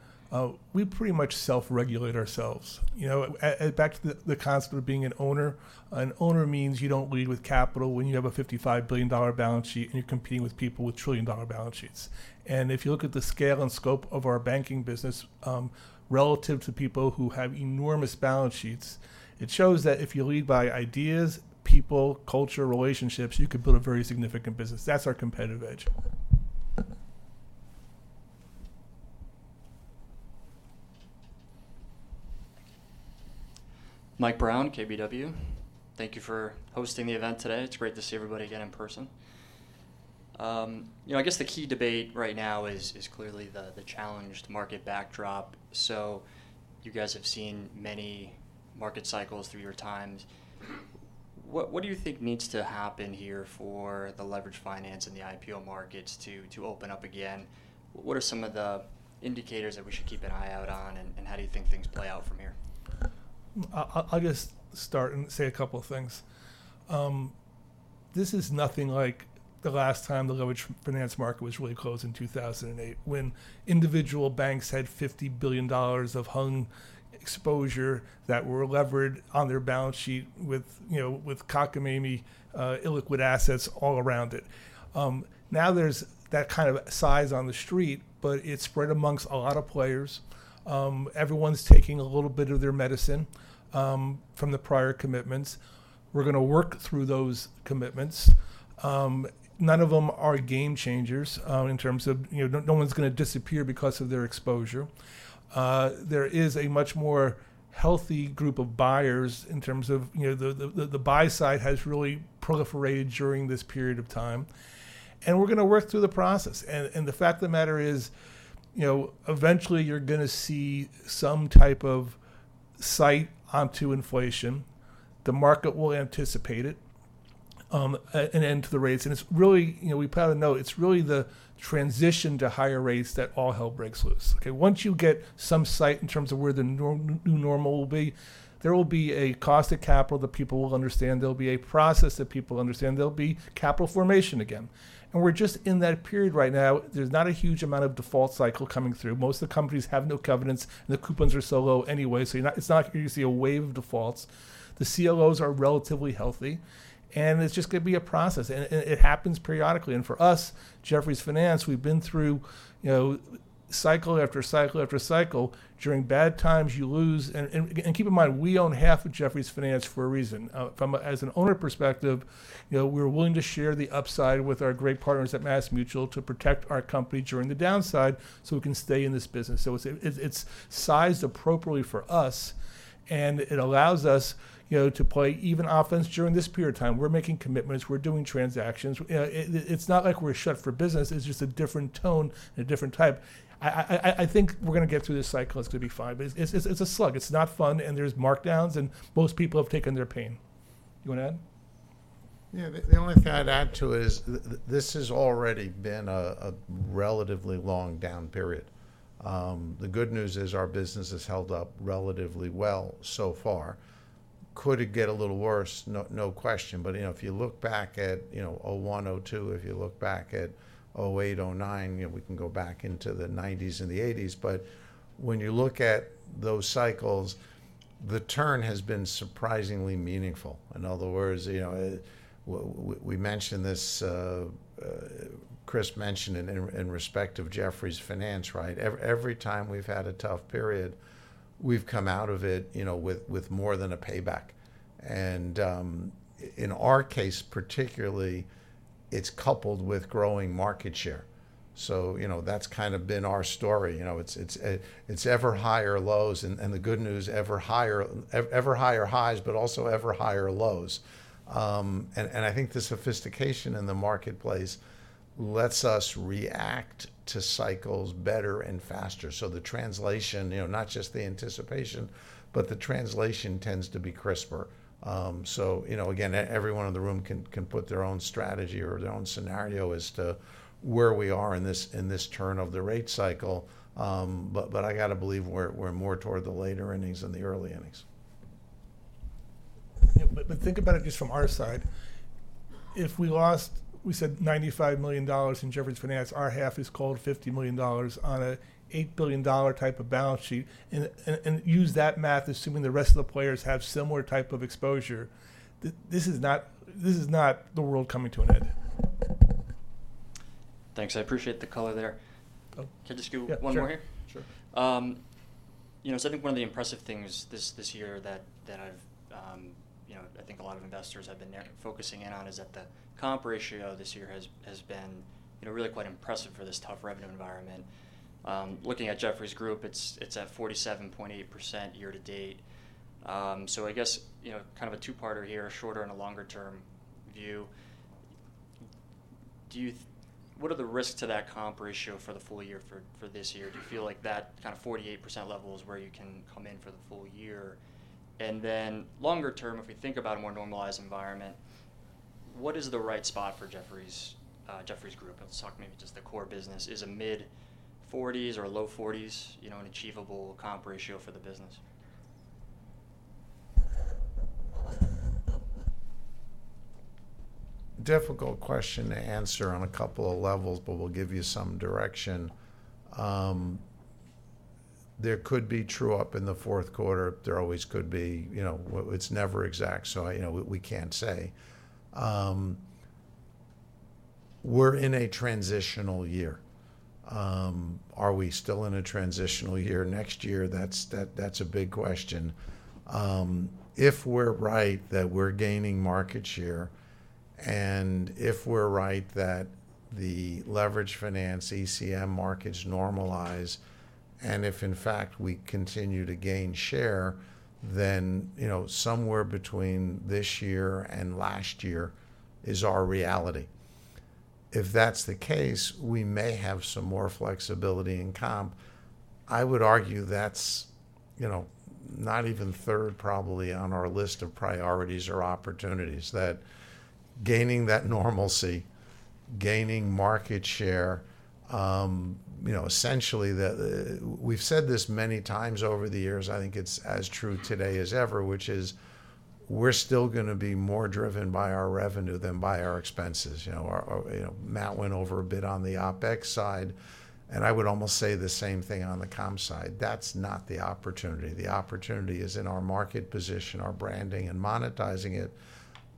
we pretty much self-regulate ourselves. You know, back to the concept of being an owner, an owner means you don't lead with capital when you have a $55 billion balance sheet and you're competing with people with $1 trillion balance sheets. If you look at the scale and scope of our banking business, relative to people who have enormous balance sheets, it shows that if you lead by ideas, people, culture, relationships, you can build a very significant business. That's our competitive edge. Mike Brown, KBW. Thank you for hosting the event today. It's great to see everybody again in person. You know, I guess the key debate right now is clearly the challenged market backdrop. You guys have seen many market cycles through your times. What do you think needs to happen here for the leveraged finance and the IPO markets to open up again? What are some of the indicators that we should keep an eye out on, and how do you think things play out from here? I'll just start and say a couple things. This is nothing like the last time the leveraged finance market was really closed in 2008 when individual banks had $50 billion of hung exposure that were levered on their balance sheet with, you know, with cockamamie, illiquid assets all around it. Now there's that kind of size on the street, but it's spread amongst a lot of players. Everyone's taking a little bit of their medicine from the prior commitments. We're gonna work through those commitments. None of them are game changers in terms of, you know, no one's gonna disappear because of their exposure. There is a much more healthy group of buyers in terms of, you know, the buy side has really proliferated during this period of time. We're gonna work through the process. The fact of the matter is, you know, eventually you're gonna see some type of sight on to inflation. The market will anticipate it, an end to the rates. It's really, you know, we probably know it's really the transition to higher rates that all hell breaks loose, okay? Once you get some sight in terms of where the new normal will be, there will be a cost of capital that people will understand. There'll be a process that people understand. There'll be capital formation again. We're just in that period right now. There's not a huge amount of default cycle coming through. Most of the companies have no covenants, and the coupons are so low anyway, so it's not, you're gonna see a wave of defaults. The CLOs are relatively healthy, and it's just gonna be a process. It happens periodically. For us, Jefferies Finance, we've been through, you know, cycle after cycle after cycle. During bad times, you lose. Keep in mind, we own half of Jefferies Finance for a reason. From an owner perspective, you know, we're willing to share the upside with our great partners at MassMutual to protect our company during the downside so we can stay in this business. It's sized appropriately for us, and it allows us, you know, to play even offense during this period of time. We're making commitments. We're doing transactions. You know, it's not like we're shut for business. It's just a different tone and a different type. I think we're gonna get through this cycle. It's gonna be fine. It's a slug. It's not fun, and there's markdowns, and most people have taken their pain. You wanna add? Yeah. The only thing I'd add to it is this has already been a relatively long down period. The good news is our business has held up relatively well so far. Could it get a little worse? No question. You know, if you look back at 2001, 2002, if you look back at 2008, 2009, you know, we can go back into the 1990s and the 1980s, but when you look at those cycles, the turn has been surprisingly meaningful. In other words, you know, we mentioned this, Chris mentioned it in respect of Jefferies Finance, right? Every time we've had a tough period, we've come out of it, you know, with more than a payback. In our case particularly, it's coupled with growing market share. You know, that's kind of been our story. You know, it's ever higher lows and the good news, ever higher highs, but also ever higher lows. I think the sophistication in the marketplace lets us react to cycles better and faster. The translation, you know, not just the anticipation, but the translation tends to be crisper. You know, again, everyone in the room can put their own strategy or their own scenario as to where we are in this turn of the rate cycle. I gotta believe we're more toward the later innings than the early innings. Yeah. Think about it just from our side. If we lost, we said $95 million in Jefferies Finance, our half costs $50 million on an $8 billion type of balance sheet. Use that math assuming the rest of the players have similar type of exposure. This is not the world coming to an end. Thanks. I appreciate the color there. Oh. Can I just do one more here? Yeah. Sure. Sure. You know, I think one of the impressive things this year that I've you know, I think a lot of investors have been focusing in on is that the comp ratio this year has been you know, really quite impressive for this tough revenue environment. Looking at Jefferies Group, it's at 47.8% year to date. So I guess you know, kind of a two-parter here, a shorter and a longer term view. What are the risks to that comp ratio for the full year for this year? Do you feel like that kind of 48% level is where you can come in for the full year? Longer term, if we think about a more normalized environment, what is the right spot for Jefferies Group? Let's talk maybe just the core business. Is a mid-40s% or low 40s%, you know, an achievable comp ratio for the business? Difficult question to answer on a couple of levels, but we'll give you some direction. There could be true up in the fourth quarter. There always could be. You know, it's never exact, so, you know, we can't say. We're in a transitional year. Are we still in a transitional year next year? That's a big question. If we're right that we're gaining market share, and if we're right that the leveraged finance ECM markets normalize, and if in fact we continue to gain share, then, you know, somewhere between this year and last year is our reality. If that's the case, we may have some more flexibility in comp. I would argue that's, you know, not even third probably on our list of priorities or opportunities. Gaining that normalcy, gaining market share, you know, essentially we've said this many times over the years. I think it's as true today as ever, which is we're still gonna be more driven by our revenue than by our expenses. You know, our you know Matt went over a bit on the OpEx side, and I would almost say the same thing on the comp side. That's not the opportunity. The opportunity is in our market position, our branding, and monetizing it.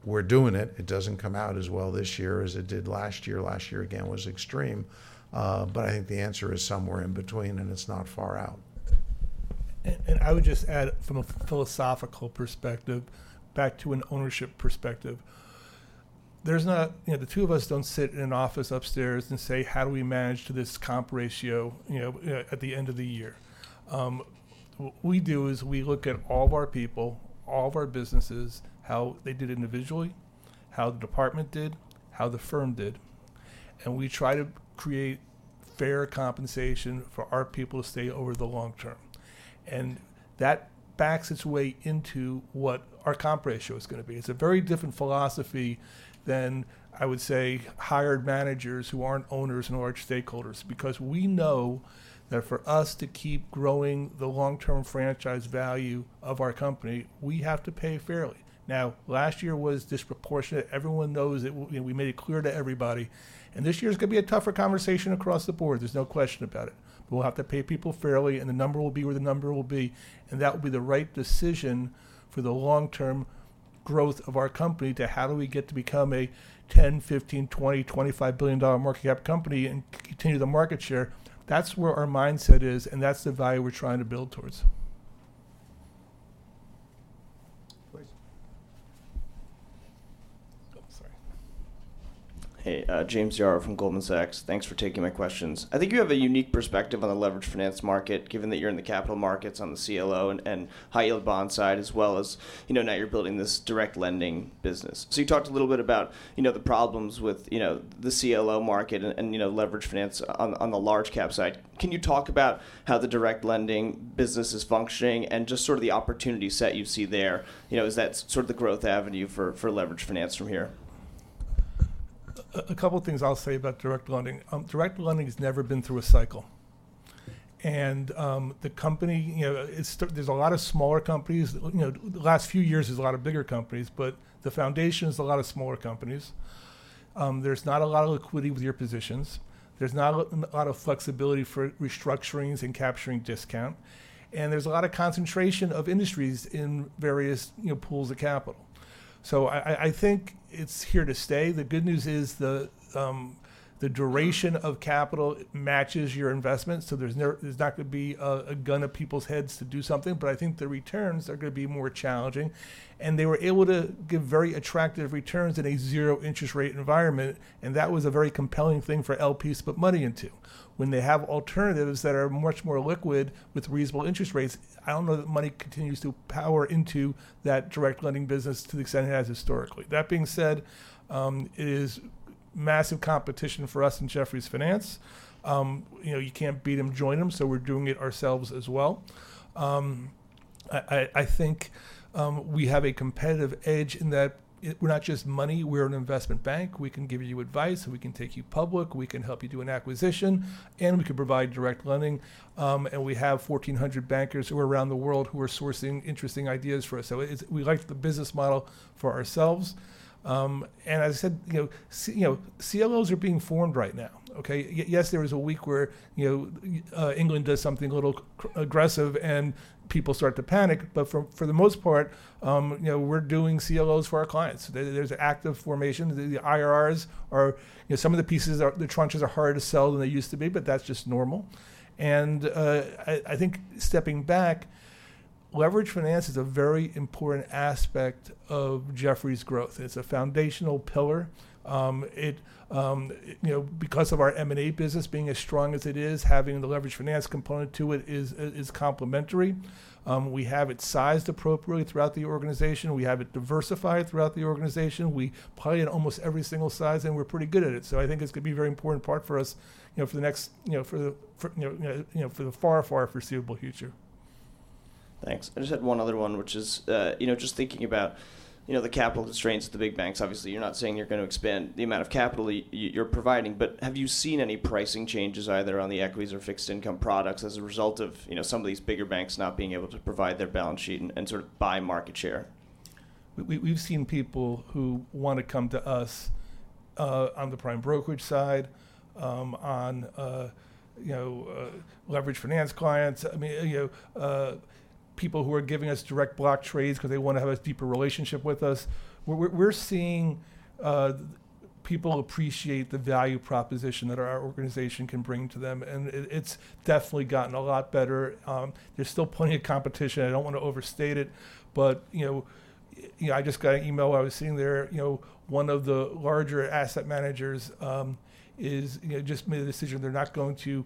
We're doing it. It doesn't come out as well this year as it did last year. Last year, again, was extreme. I think the answer is somewhere in between, and it's not far out. I would just add from a philosophical perspective, back to an ownership perspective. You know, the two of us don't sit in an office upstairs and say, "How do we manage to this comp ratio, you know, at the end of the year?" What we do is we look at all of our people, all of our businesses, how they did individually, how the department did, how the firm did. And we try to create fair compensation for our people to stay over the long term. And that backs its way into what our comp ratio is gonna be. It's a very different philosophy than, I would say, hired managers who aren't owners nor stakeholders. Because we know that for us to keep growing the long-term franchise value of our company, we have to pay fairly. Now, last year was disproportionate. Everyone knows it. You know, we made it clear to everybody. This year's gonna be a tougher conversation across the board. There's no question about it. We'll have to pay people fairly, and the number will be where the number will be. That will be the right decision for the long-term growth of our company to how do we get to become a $10 billion, $15 billion, $20 billion, $25 billion market cap company and continue the market share. That's where our mindset is, and that's the value we're trying to build towards. Please. Oh, sorry. Hey, James Yaro from Goldman Sachs. Thanks for taking my questions. I think you have a unique perspective on the leveraged finance market, given that you're in the capital markets on the CLO and high yield bond side, as well as, you know, now you're building this direct lending business. You talked a little bit about, you know, the problems with, you know, the CLO market and leveraged finance on the large cap side. Can you talk about how the direct lending business is functioning and just sort of the opportunity set you see there? You know, is that sort of the growth avenue for leveraged finance from here? A couple things I'll say about direct lending. Direct lending has never been through a cycle. The company, you know, there's a lot of smaller companies. You know, the last few years, there's a lot of bigger companies, but the foundation is a lot of smaller companies. There's not a lot of liquidity with your positions. There's not a lot of flexibility for restructurings and capturing discount, and there's a lot of concentration of industries in various, you know, pools of capital. I think it's here to stay. The good news is the duration of capital matches your investment, so there's not gonna be a gun to people's heads to do something. I think the returns are gonna be more challenging. They were able to give very attractive returns in a zero interest rate environment, and that was a very compelling thing for LPs to put money into. When they have alternatives that are much more liquid with reasonable interest rates, I don't know that money continues to power into that direct lending business to the extent it has historically. That being said, it is massive competition for us in Jefferies Finance. You know, you can't beat them, join them, so we're doing it ourselves as well. I think we have a competitive edge in that we're not just money, we're an investment bank. We can give you advice, and we can take you public. We can help you do an acquisition, and we can provide direct lending. We have 1,400 bankers who are around the world who are sourcing interesting ideas for us. It's. We like the business model for ourselves. As I said, you know, you know, CLOs are being formed right now, okay. Yes, there is a week where, you know, England does something a little aggressive, and people start to panic, but for the most part, you know, we're doing CLOs for our clients. There's active formation. The IRRs are. You know, some of the pieces are. The tranches are harder to sell than they used to be, but that's just normal. I think stepping back, leverage finance is a very important aspect of Jefferies' growth. It's a foundational pillar. You know, because of our M&A business being as strong as it is, having the leveraged finance component to it is complementary. We have it sized appropriately throughout the organization. We have it diversified throughout the organization. We play in almost every single size, and we're pretty good at it. I think it's gonna be a very important part for us, you know, for the next, you know, for the far foreseeable future. Thanks. I just had one other one, which is, you know, just thinking about, you know, the capital constraints at the big banks. Obviously, you're not saying you're gonna expand the amount of capital you're providing. Have you seen any pricing changes, either on the equities or fixed income products, as a result of, you know, some of these bigger banks not being able to provide their balance sheet and sort of buy market share? We've seen people who wanna come to us on the prime brokerage side on leveraged finance clients. I mean, people who are giving us direct block trades 'cause they wanna have a deeper relationship with us. We're seeing people appreciate the value proposition that our organization can bring to them. It's definitely gotten a lot better. There's still plenty of competition. I don't wanna overstate it. I just got an email I was seeing there. One of the larger asset managers has just made a decision they're not going to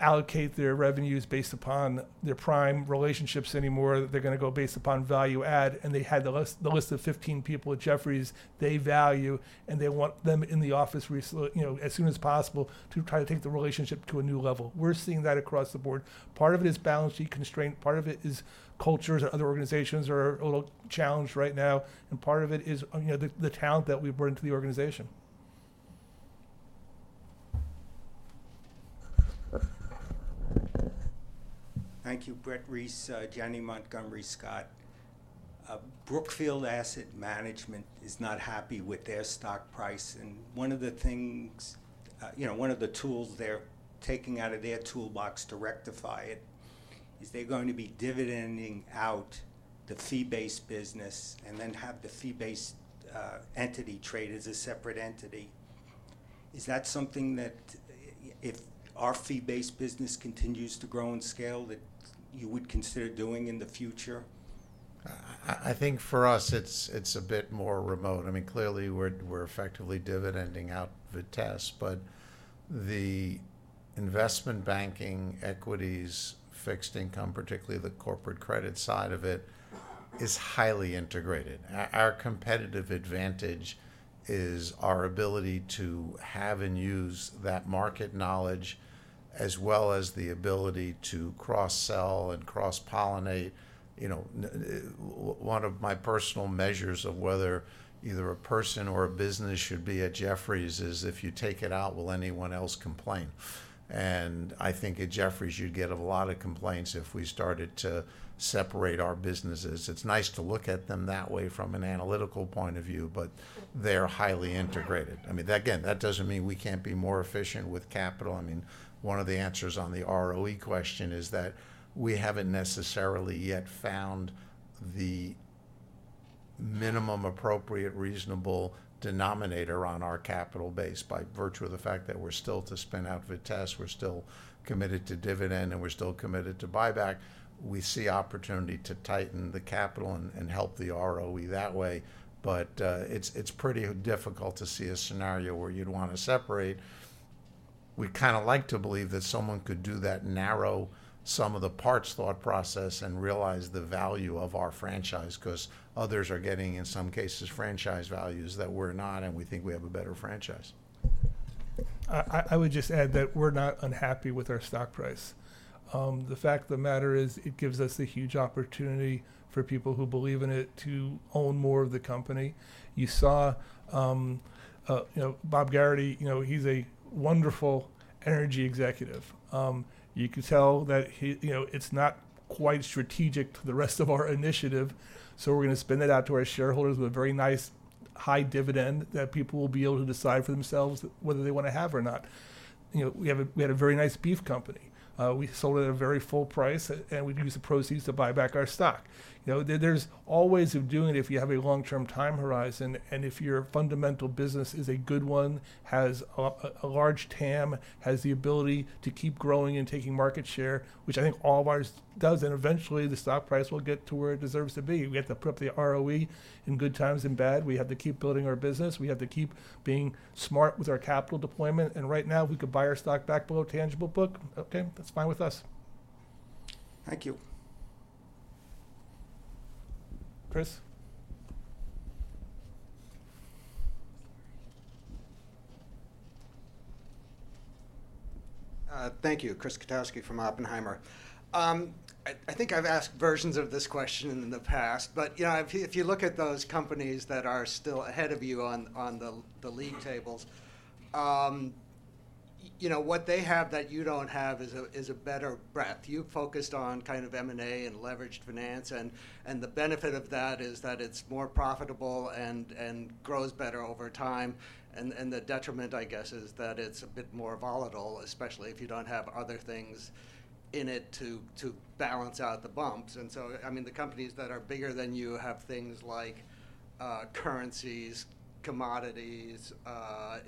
allocate their revenues based upon their prime relationships anymore. They're gonna go based upon value add, and they had the list of 15 people at Jefferies they value, and they want them in the office, you know, as soon as possible to try to take the relationship to a new level. We're seeing that across the board. Part of it is balance sheet constraint. Part of it is cultures at other organizations are a little challenged right now, and part of it is, you know, the talent that we've brought into the organization. Thank you. Brett Reiss, Janney Montgomery Scott. Brookfield Asset Management is not happy with their stock price, and one of the things, you know, one of the tools they're taking out of their toolbox to rectify it is they're going to be dividending out the fee-based business and then have the fee-based entity trade as a separate entity. Is that something that if our fee-based business continues to grow and scale, that you would consider doing in the future? I think for us, it's a bit more remote. I mean, clearly, we're effectively dividending out Vitesse. Investment banking, equities, fixed income, particularly the corporate credit side of it is highly integrated. Our competitive advantage is our ability to have and use that market knowledge, as well as the ability to cross-sell and cross-pollinate, you know, one of my personal measures of whether either a person or a business should be at Jefferies is if you take it out, will anyone else complain? I think at Jefferies, you'd get a lot of complaints if we started to separate our businesses. It's nice to look at them that way from an analytical point of view, but they're highly integrated. I mean, again, that doesn't mean we can't be more efficient with capital. I mean, one of the answers on the ROE question is that we haven't necessarily yet found the minimum appropriate reasonable denominator on our capital base by virtue of the fact that we're still to spin out Vitesse, we're still committed to dividend, and we're still committed to buyback. We see opportunity to tighten the capital and help the ROE that way. It's pretty difficult to see a scenario where you'd wanna separate. We kinda like to believe that someone could do that sum of the parts thought process and realize the value of our franchise 'cause others are getting, in some cases, franchise values that we're not, and we think we have a better franchise. I would just add that we're not unhappy with our stock price. The fact of the matter is it gives us a huge opportunity for people who believe in it to own more of the company. You saw you know, Bob Gerrity, you know, he's a wonderful energy executive. You could tell that you know, it's not quite strategic to the rest of our initiative, so we're gonna spin that out to our shareholders with a very nice high dividend that people will be able to decide for themselves whether they wanna have or not. You know, we had a very nice beef company. We sold it at a very full price and we'd use the proceeds to buy back our stock. You know, there's always a way of doing it if you have a long-term time horizon and if your fundamental business is a good one, has a large TAM, has the ability to keep growing and taking market share, which I think all of ours does, then eventually the stock price will get to where it deserves to be. We have to put up the ROE in good times and bad. We have to keep building our business. We have to keep being smart with our capital deployment. Right now, if we could buy our stock back below tangible book, okay, that's fine with us. Thank you. Chris? Thank you. Chris Kotowski from Oppenheimer. I think I've asked versions of this question in the past, but you know, if you look at those companies that are still ahead of you on the league tables, you know, what they have that you don't have is a better breadth. You focused on kind of M&A and leveraged finance and the benefit of that is that it's more profitable and grows better over time. The detriment, I guess, is that it's a bit more volatile, especially if you don't have other things in it to balance out the bumps. I mean, the companies that are bigger than you have things like, currencies, commodities,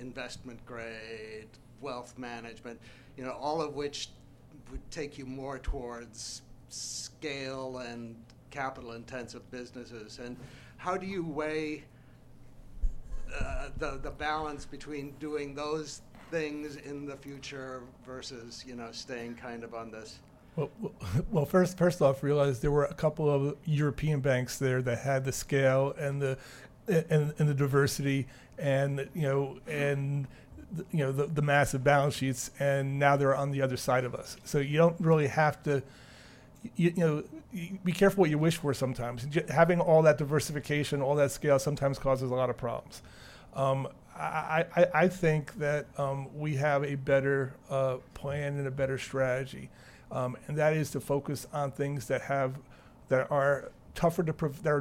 investment grade, wealth management, you know, all of which would take you more towards scale and capital intensive businesses. How do you weigh the balance between doing those things in the future versus, you know, staying kind of on this- Well, first off, realize there were a couple of European banks there that had the scale and the diversity, you know. Mm-hmm You know, the massive balance sheets, and now they're on the other side of us. You don't really have to. You know, be careful what you wish for sometimes. Having all that diversification, all that scale sometimes causes a lot of problems. I think that we have a better plan and a better strategy, and that is to focus on things that are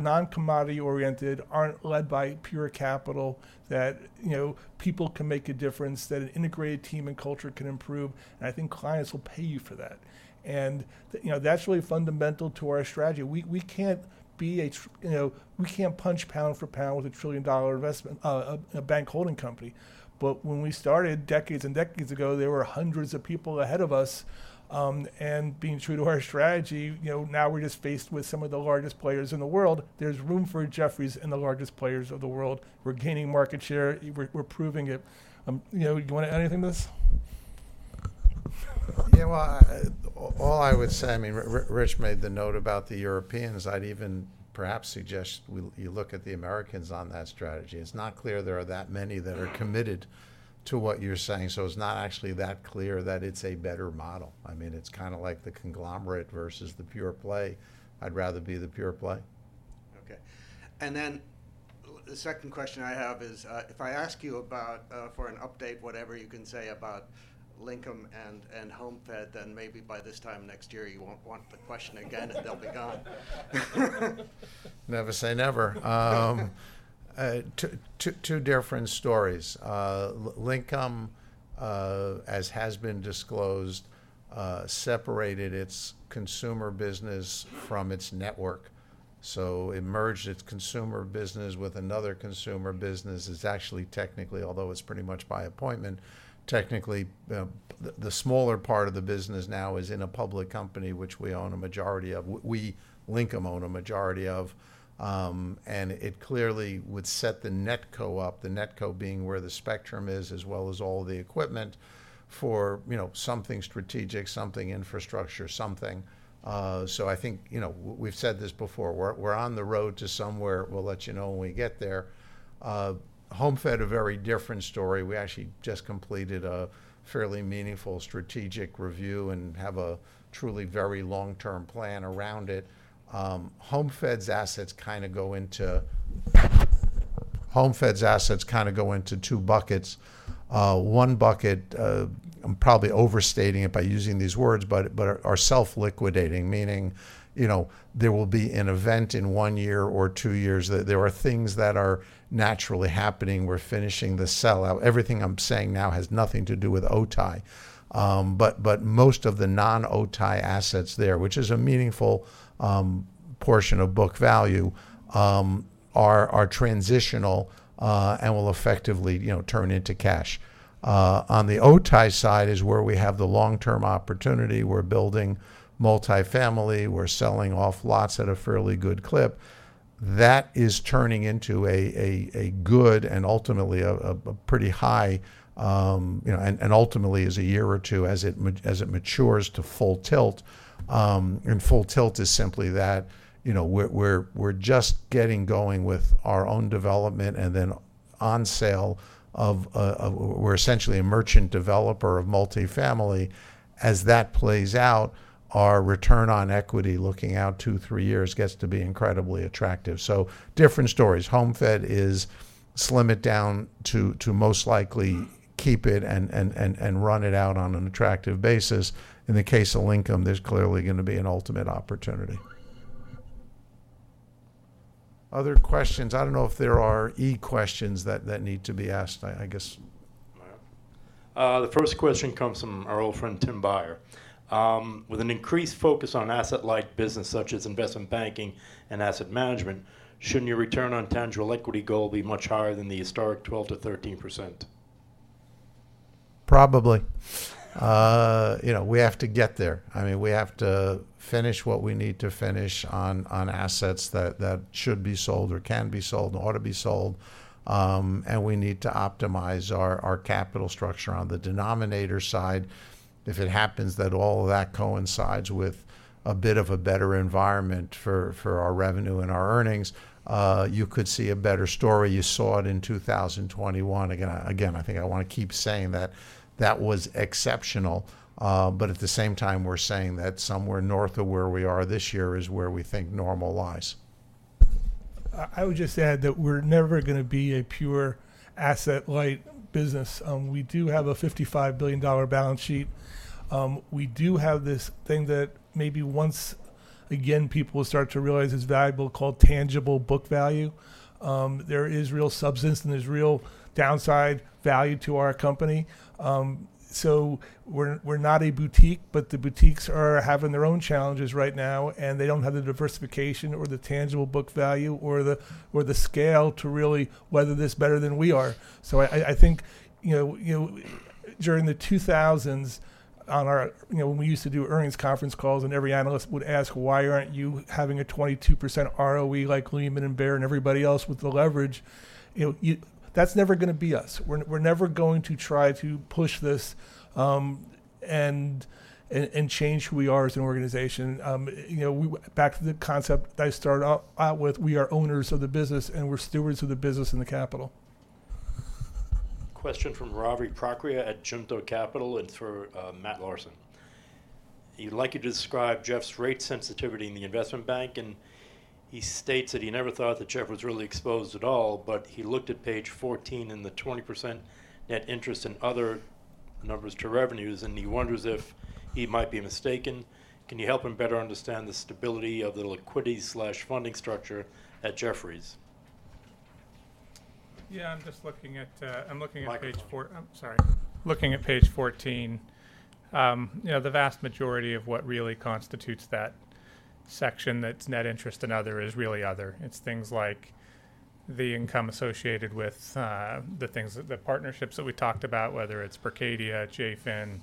non-commodity oriented, aren't led by pure capital, that, you know, people can make a difference, that an integrated team and culture can improve, and I think clients will pay you for that. You know, that's really fundamental to our strategy. You know, we can't punch pound for pound with a $1 trillion investment, a bank holding company. When we started decades and decades ago, there were hundreds of people ahead of us, and being true to our strategy, you know, now we're just faced with some of the largest players in the world. There's room for Jefferies and the largest players of the world. We're gaining market share. We're proving it. You know, do you wanna add anything to this? Yeah, well, all I would say, I mean, Rich made the note about the Europeans. I'd even perhaps suggest you look at the Americans on that strategy. It's not clear there are that many that are committed to what you're saying, so it's not actually that clear that it's a better model. I mean, it's kinda like the conglomerate versus the pure play. I'd rather be the pure play. Okay. The second question I have is, if I ask you about for an update, whatever you can say about Linkem And HomeFed, then maybe by this time next year you won't want the question again, and they'll be gone. Never say never. Two different stories. Linkem, as has been disclosed, separated its consumer business from its network. It merged its consumer business with another consumer business. It's actually technically, although it's pretty much by appointment, technically the smaller part of the business now is in a public company which we own a majority of. Linkem owns a majority of, and it clearly would set the NetCo up. The NetCo being where the spectrum is, as well as all the equipment for, you know, something strategic, something infrastructure, something. I think, you know, we've said this before. We're on the road to somewhere. We'll let you know when we get there. HomeFed, a very different story. We actually just completed a fairly meaningful strategic review and have a truly very long-term plan around it. HomeFed's assets kinda go into two buckets. One bucket, I'm probably overstating it by using these words, but are self-liquidating, meaning, you know, there will be an event in one year or two years. There are things that are naturally happening. We're finishing the sellout. Everything I'm saying now has nothing to do with Otay, but most of the non-Otay assets there, which is a meaningful portion of book value, are transitional, and will effectively, you know, turn into cash. On the Otay side is where we have the long-term opportunity. We're building multifamily. We're selling off lots at a fairly good clip. That is turning into a good and ultimately a pretty high, you know. Ultimately it's a year or two as it matures to full tilt. Full tilt is simply that, you know, we're just getting going with our own development and then on sale of. We're essentially a merchant developer of multifamily. As that plays out, our return on equity looking out two, three years gets to be incredibly attractive. Different stories. HomeFed is slimmed down to most likely keep it and run it out on an attractive basis. In the case of Linkem, there's clearly gonna be an ultimate opportunity. Other questions? I don't know if there are email questions that need to be asked. I guess. All right. The first question comes from our old friend, Tim Beyer. With an increased focus on asset-like business, such as investment banking and asset management, shouldn't your return on tangible equity goal be much higher than the historic 12%-13%? Probably. You know, we have to get there. I mean, we have to finish what we need to finish on assets that should be sold or can be sold and ought to be sold. We need to optimize our capital structure on the denominator side. If it happens that all of that coincides with a bit of a better environment for our revenue and our earnings, you could see a better story. You saw it in 2021. Again, I think I want to keep saying that that was exceptional, but at the same time, we're saying that somewhere north of where we are this year is where we think normal lies. I would just add that we're never gonna be a pure asset-light business. We do have a $55 billion balance sheet. We do have this thing that maybe once again, people will start to realize it's valuable, called tangible book value. There is real substance and there's real downside value to our company. We're not a boutique, but the boutiques are having their own challenges right now, and they don't have the diversification or the tangible book value or the scale to really weather this better than we are. I think you know during the 2000s on our... You know, when we used to do earnings conference calls and every analyst would ask, "Why aren't you having a 22% ROE like Lehman and Bear and everybody else with the leverage?" You know, that's never gonna be us. We're never going to try to push this and change who we are as an organization. You know, back to the concept that I started out with, we are owners of the business and we're stewards of the business and the capital. Question from Ravi Prakriya at Junto Capital and for Matt Larson. He'd like you to describe Jefferies' rate sensitivity in the investment bank, and he states that he never thought that Jefferies was really exposed at all, but he looked at page 14 and the 20% net interest and other numbers to revenues, and he wonders if he might be mistaken. Can you help him better understand the stability of the liquidity/funding structure at Jefferies? Yeah, I'm just looking at page four. I'm sorry. Looking at page 14, you know, the vast majority of what really constitutes that section that's net interest and other is really other. It's things like the income associated with the things, the partnerships that we talked about, whether it's Berkadia, JFIN,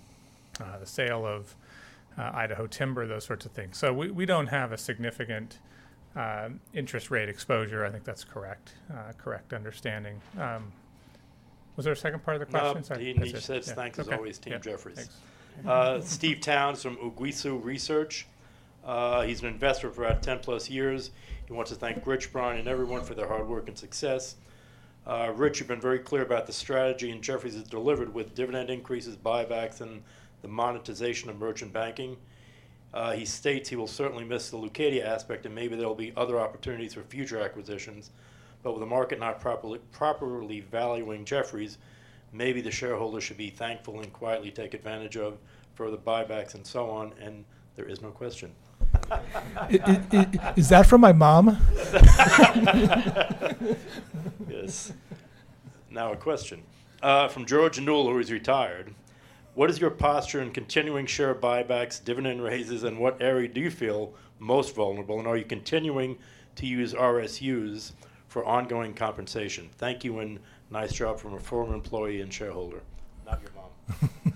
the sale of Idaho Timber, those sorts of things. We don't have a significant interest rate exposure. I think that's correct understanding. Was there a second part of the question? Sorry. No. He says thanks as always to Jefferies. Yeah. Okay. Yeah. Thanks. Steve Towns from Uguisu Research. He's an investor for about 10+ years. He wants to thank Rich, Brian and everyone for their hard work and success. Rich, you've been very clear about the strategy, and Jefferies has delivered with dividend increases, buybacks, and the monetization of merchant banking. He states he will certainly miss the Leucadia aspect, and maybe there'll be other opportunities for future acquisitions. With the market not properly valuing Jefferies, maybe the shareholders should be thankful and quietly take advantage of further buybacks and so on, and there is no question. Is that from my mom? Yes. Now a question from George Newell, who is retired. What is your posture in continuing share buybacks, dividend raises, and what area do you feel most vulnerable? And are you continuing to use RSUs for ongoing compensation? Thank you, and nice job from a former employee and shareholder. Not your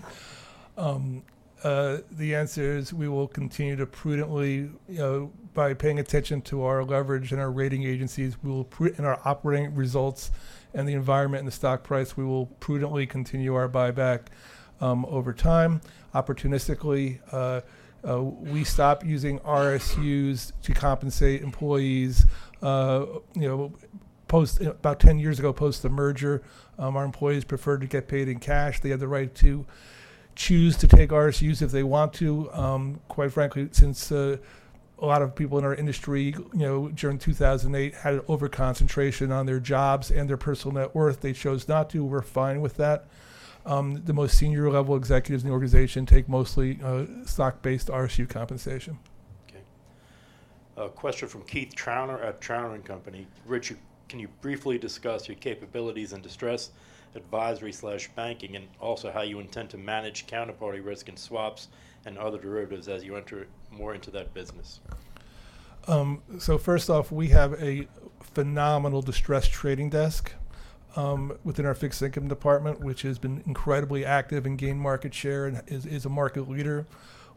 mom. The answer is we will continue to prudently, you know, by paying attention to our leverage and our rating agencies, our operating results and the environment and the stock price, we will prudently continue our buyback over time. Opportunistically, we stopped using RSUs to compensate employees, you know, post, about 10 years ago, post the merger. Our employees preferred to get paid in cash. They had the right to choose to take RSUs if they want to. Quite frankly, since a lot of people in our industry, you know, during 2008 had an over-concentration on their jobs and their personal net worth, they chose not to. We're fine with that. The most senior level executives in the organization take mostly stock-based RSU compensation. Okay. A question from Keith Trauner at Trauner & Co. Rich, can you briefly discuss your capabilities in distress advisory/banking, and also how you intend to manage counterparty risk and swaps and other derivatives as you enter more into that business? First off, we have a phenomenal distress trading desk within our fixed income department, which has been incredibly active and gained market share and is a market leader.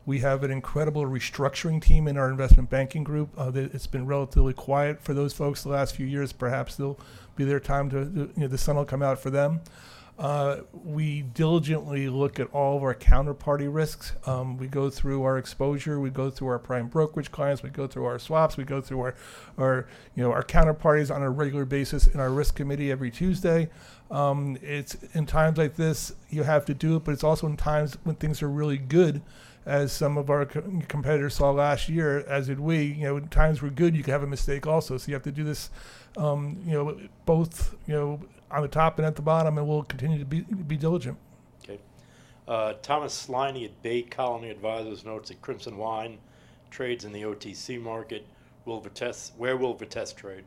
We have an incredible restructuring team in our investment banking group. It's been relatively quiet for those folks the last few years. Perhaps it'll be their time to, you know, the sun will come out for them. We diligently look at all of our counterparty risks. We go through our exposure. We go through our prime brokerage clients. We go through our swaps. We go through our, you know, our counterparties on a regular basis in our risk committee every Tuesday. It's in times like this, you have to do it, but it's also in times when things are really good, as some of our competitors saw last year, as did we. You know, when times were good, you could have a mistake also. You have to do this, you know, both, you know, on the top and at the bottom, and we'll continue to be diligent. Okay. Thomas Sliney at Bay Colony Advisors notes that Crimson Wine trades in the OTC market. Where will Vitesse trade?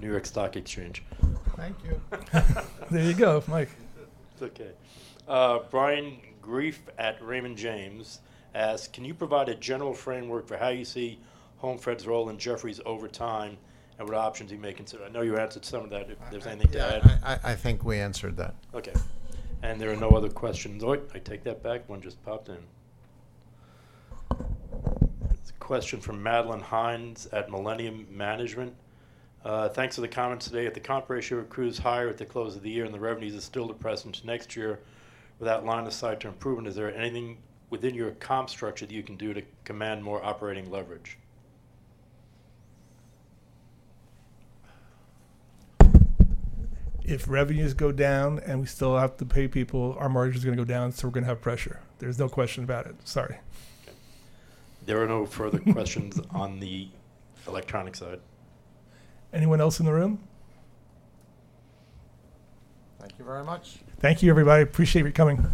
New York Stock Exchange. Thank you. There you go, Mike. It's okay. Brian Grefe at Raymond James asks, "Can you provide a general framework for how you see HomeFed's role in Jefferies over time, and what options you may consider?" I know you answered some of that, if there's anything to add. I think we answered that. There are no other questions. Oh, I take that back. One just popped in. It's a question from Madeleine Hines at Millennium Management. Thanks for the comments today. If the comp ratio accrues higher at the close of the year and the revenues are still depressed into next year without line of sight to improvement, is there anything within your comp structure that you can do to command more operating leverage? If revenues go down and we still have to pay people, our margin's gonna go down, so we're gonna have pressure. There's no question about it. Sorry. Okay. There are no further questions on the electronic side. Anyone else in the room? Thank you very much. Thank you, everybody. Appreciate you coming.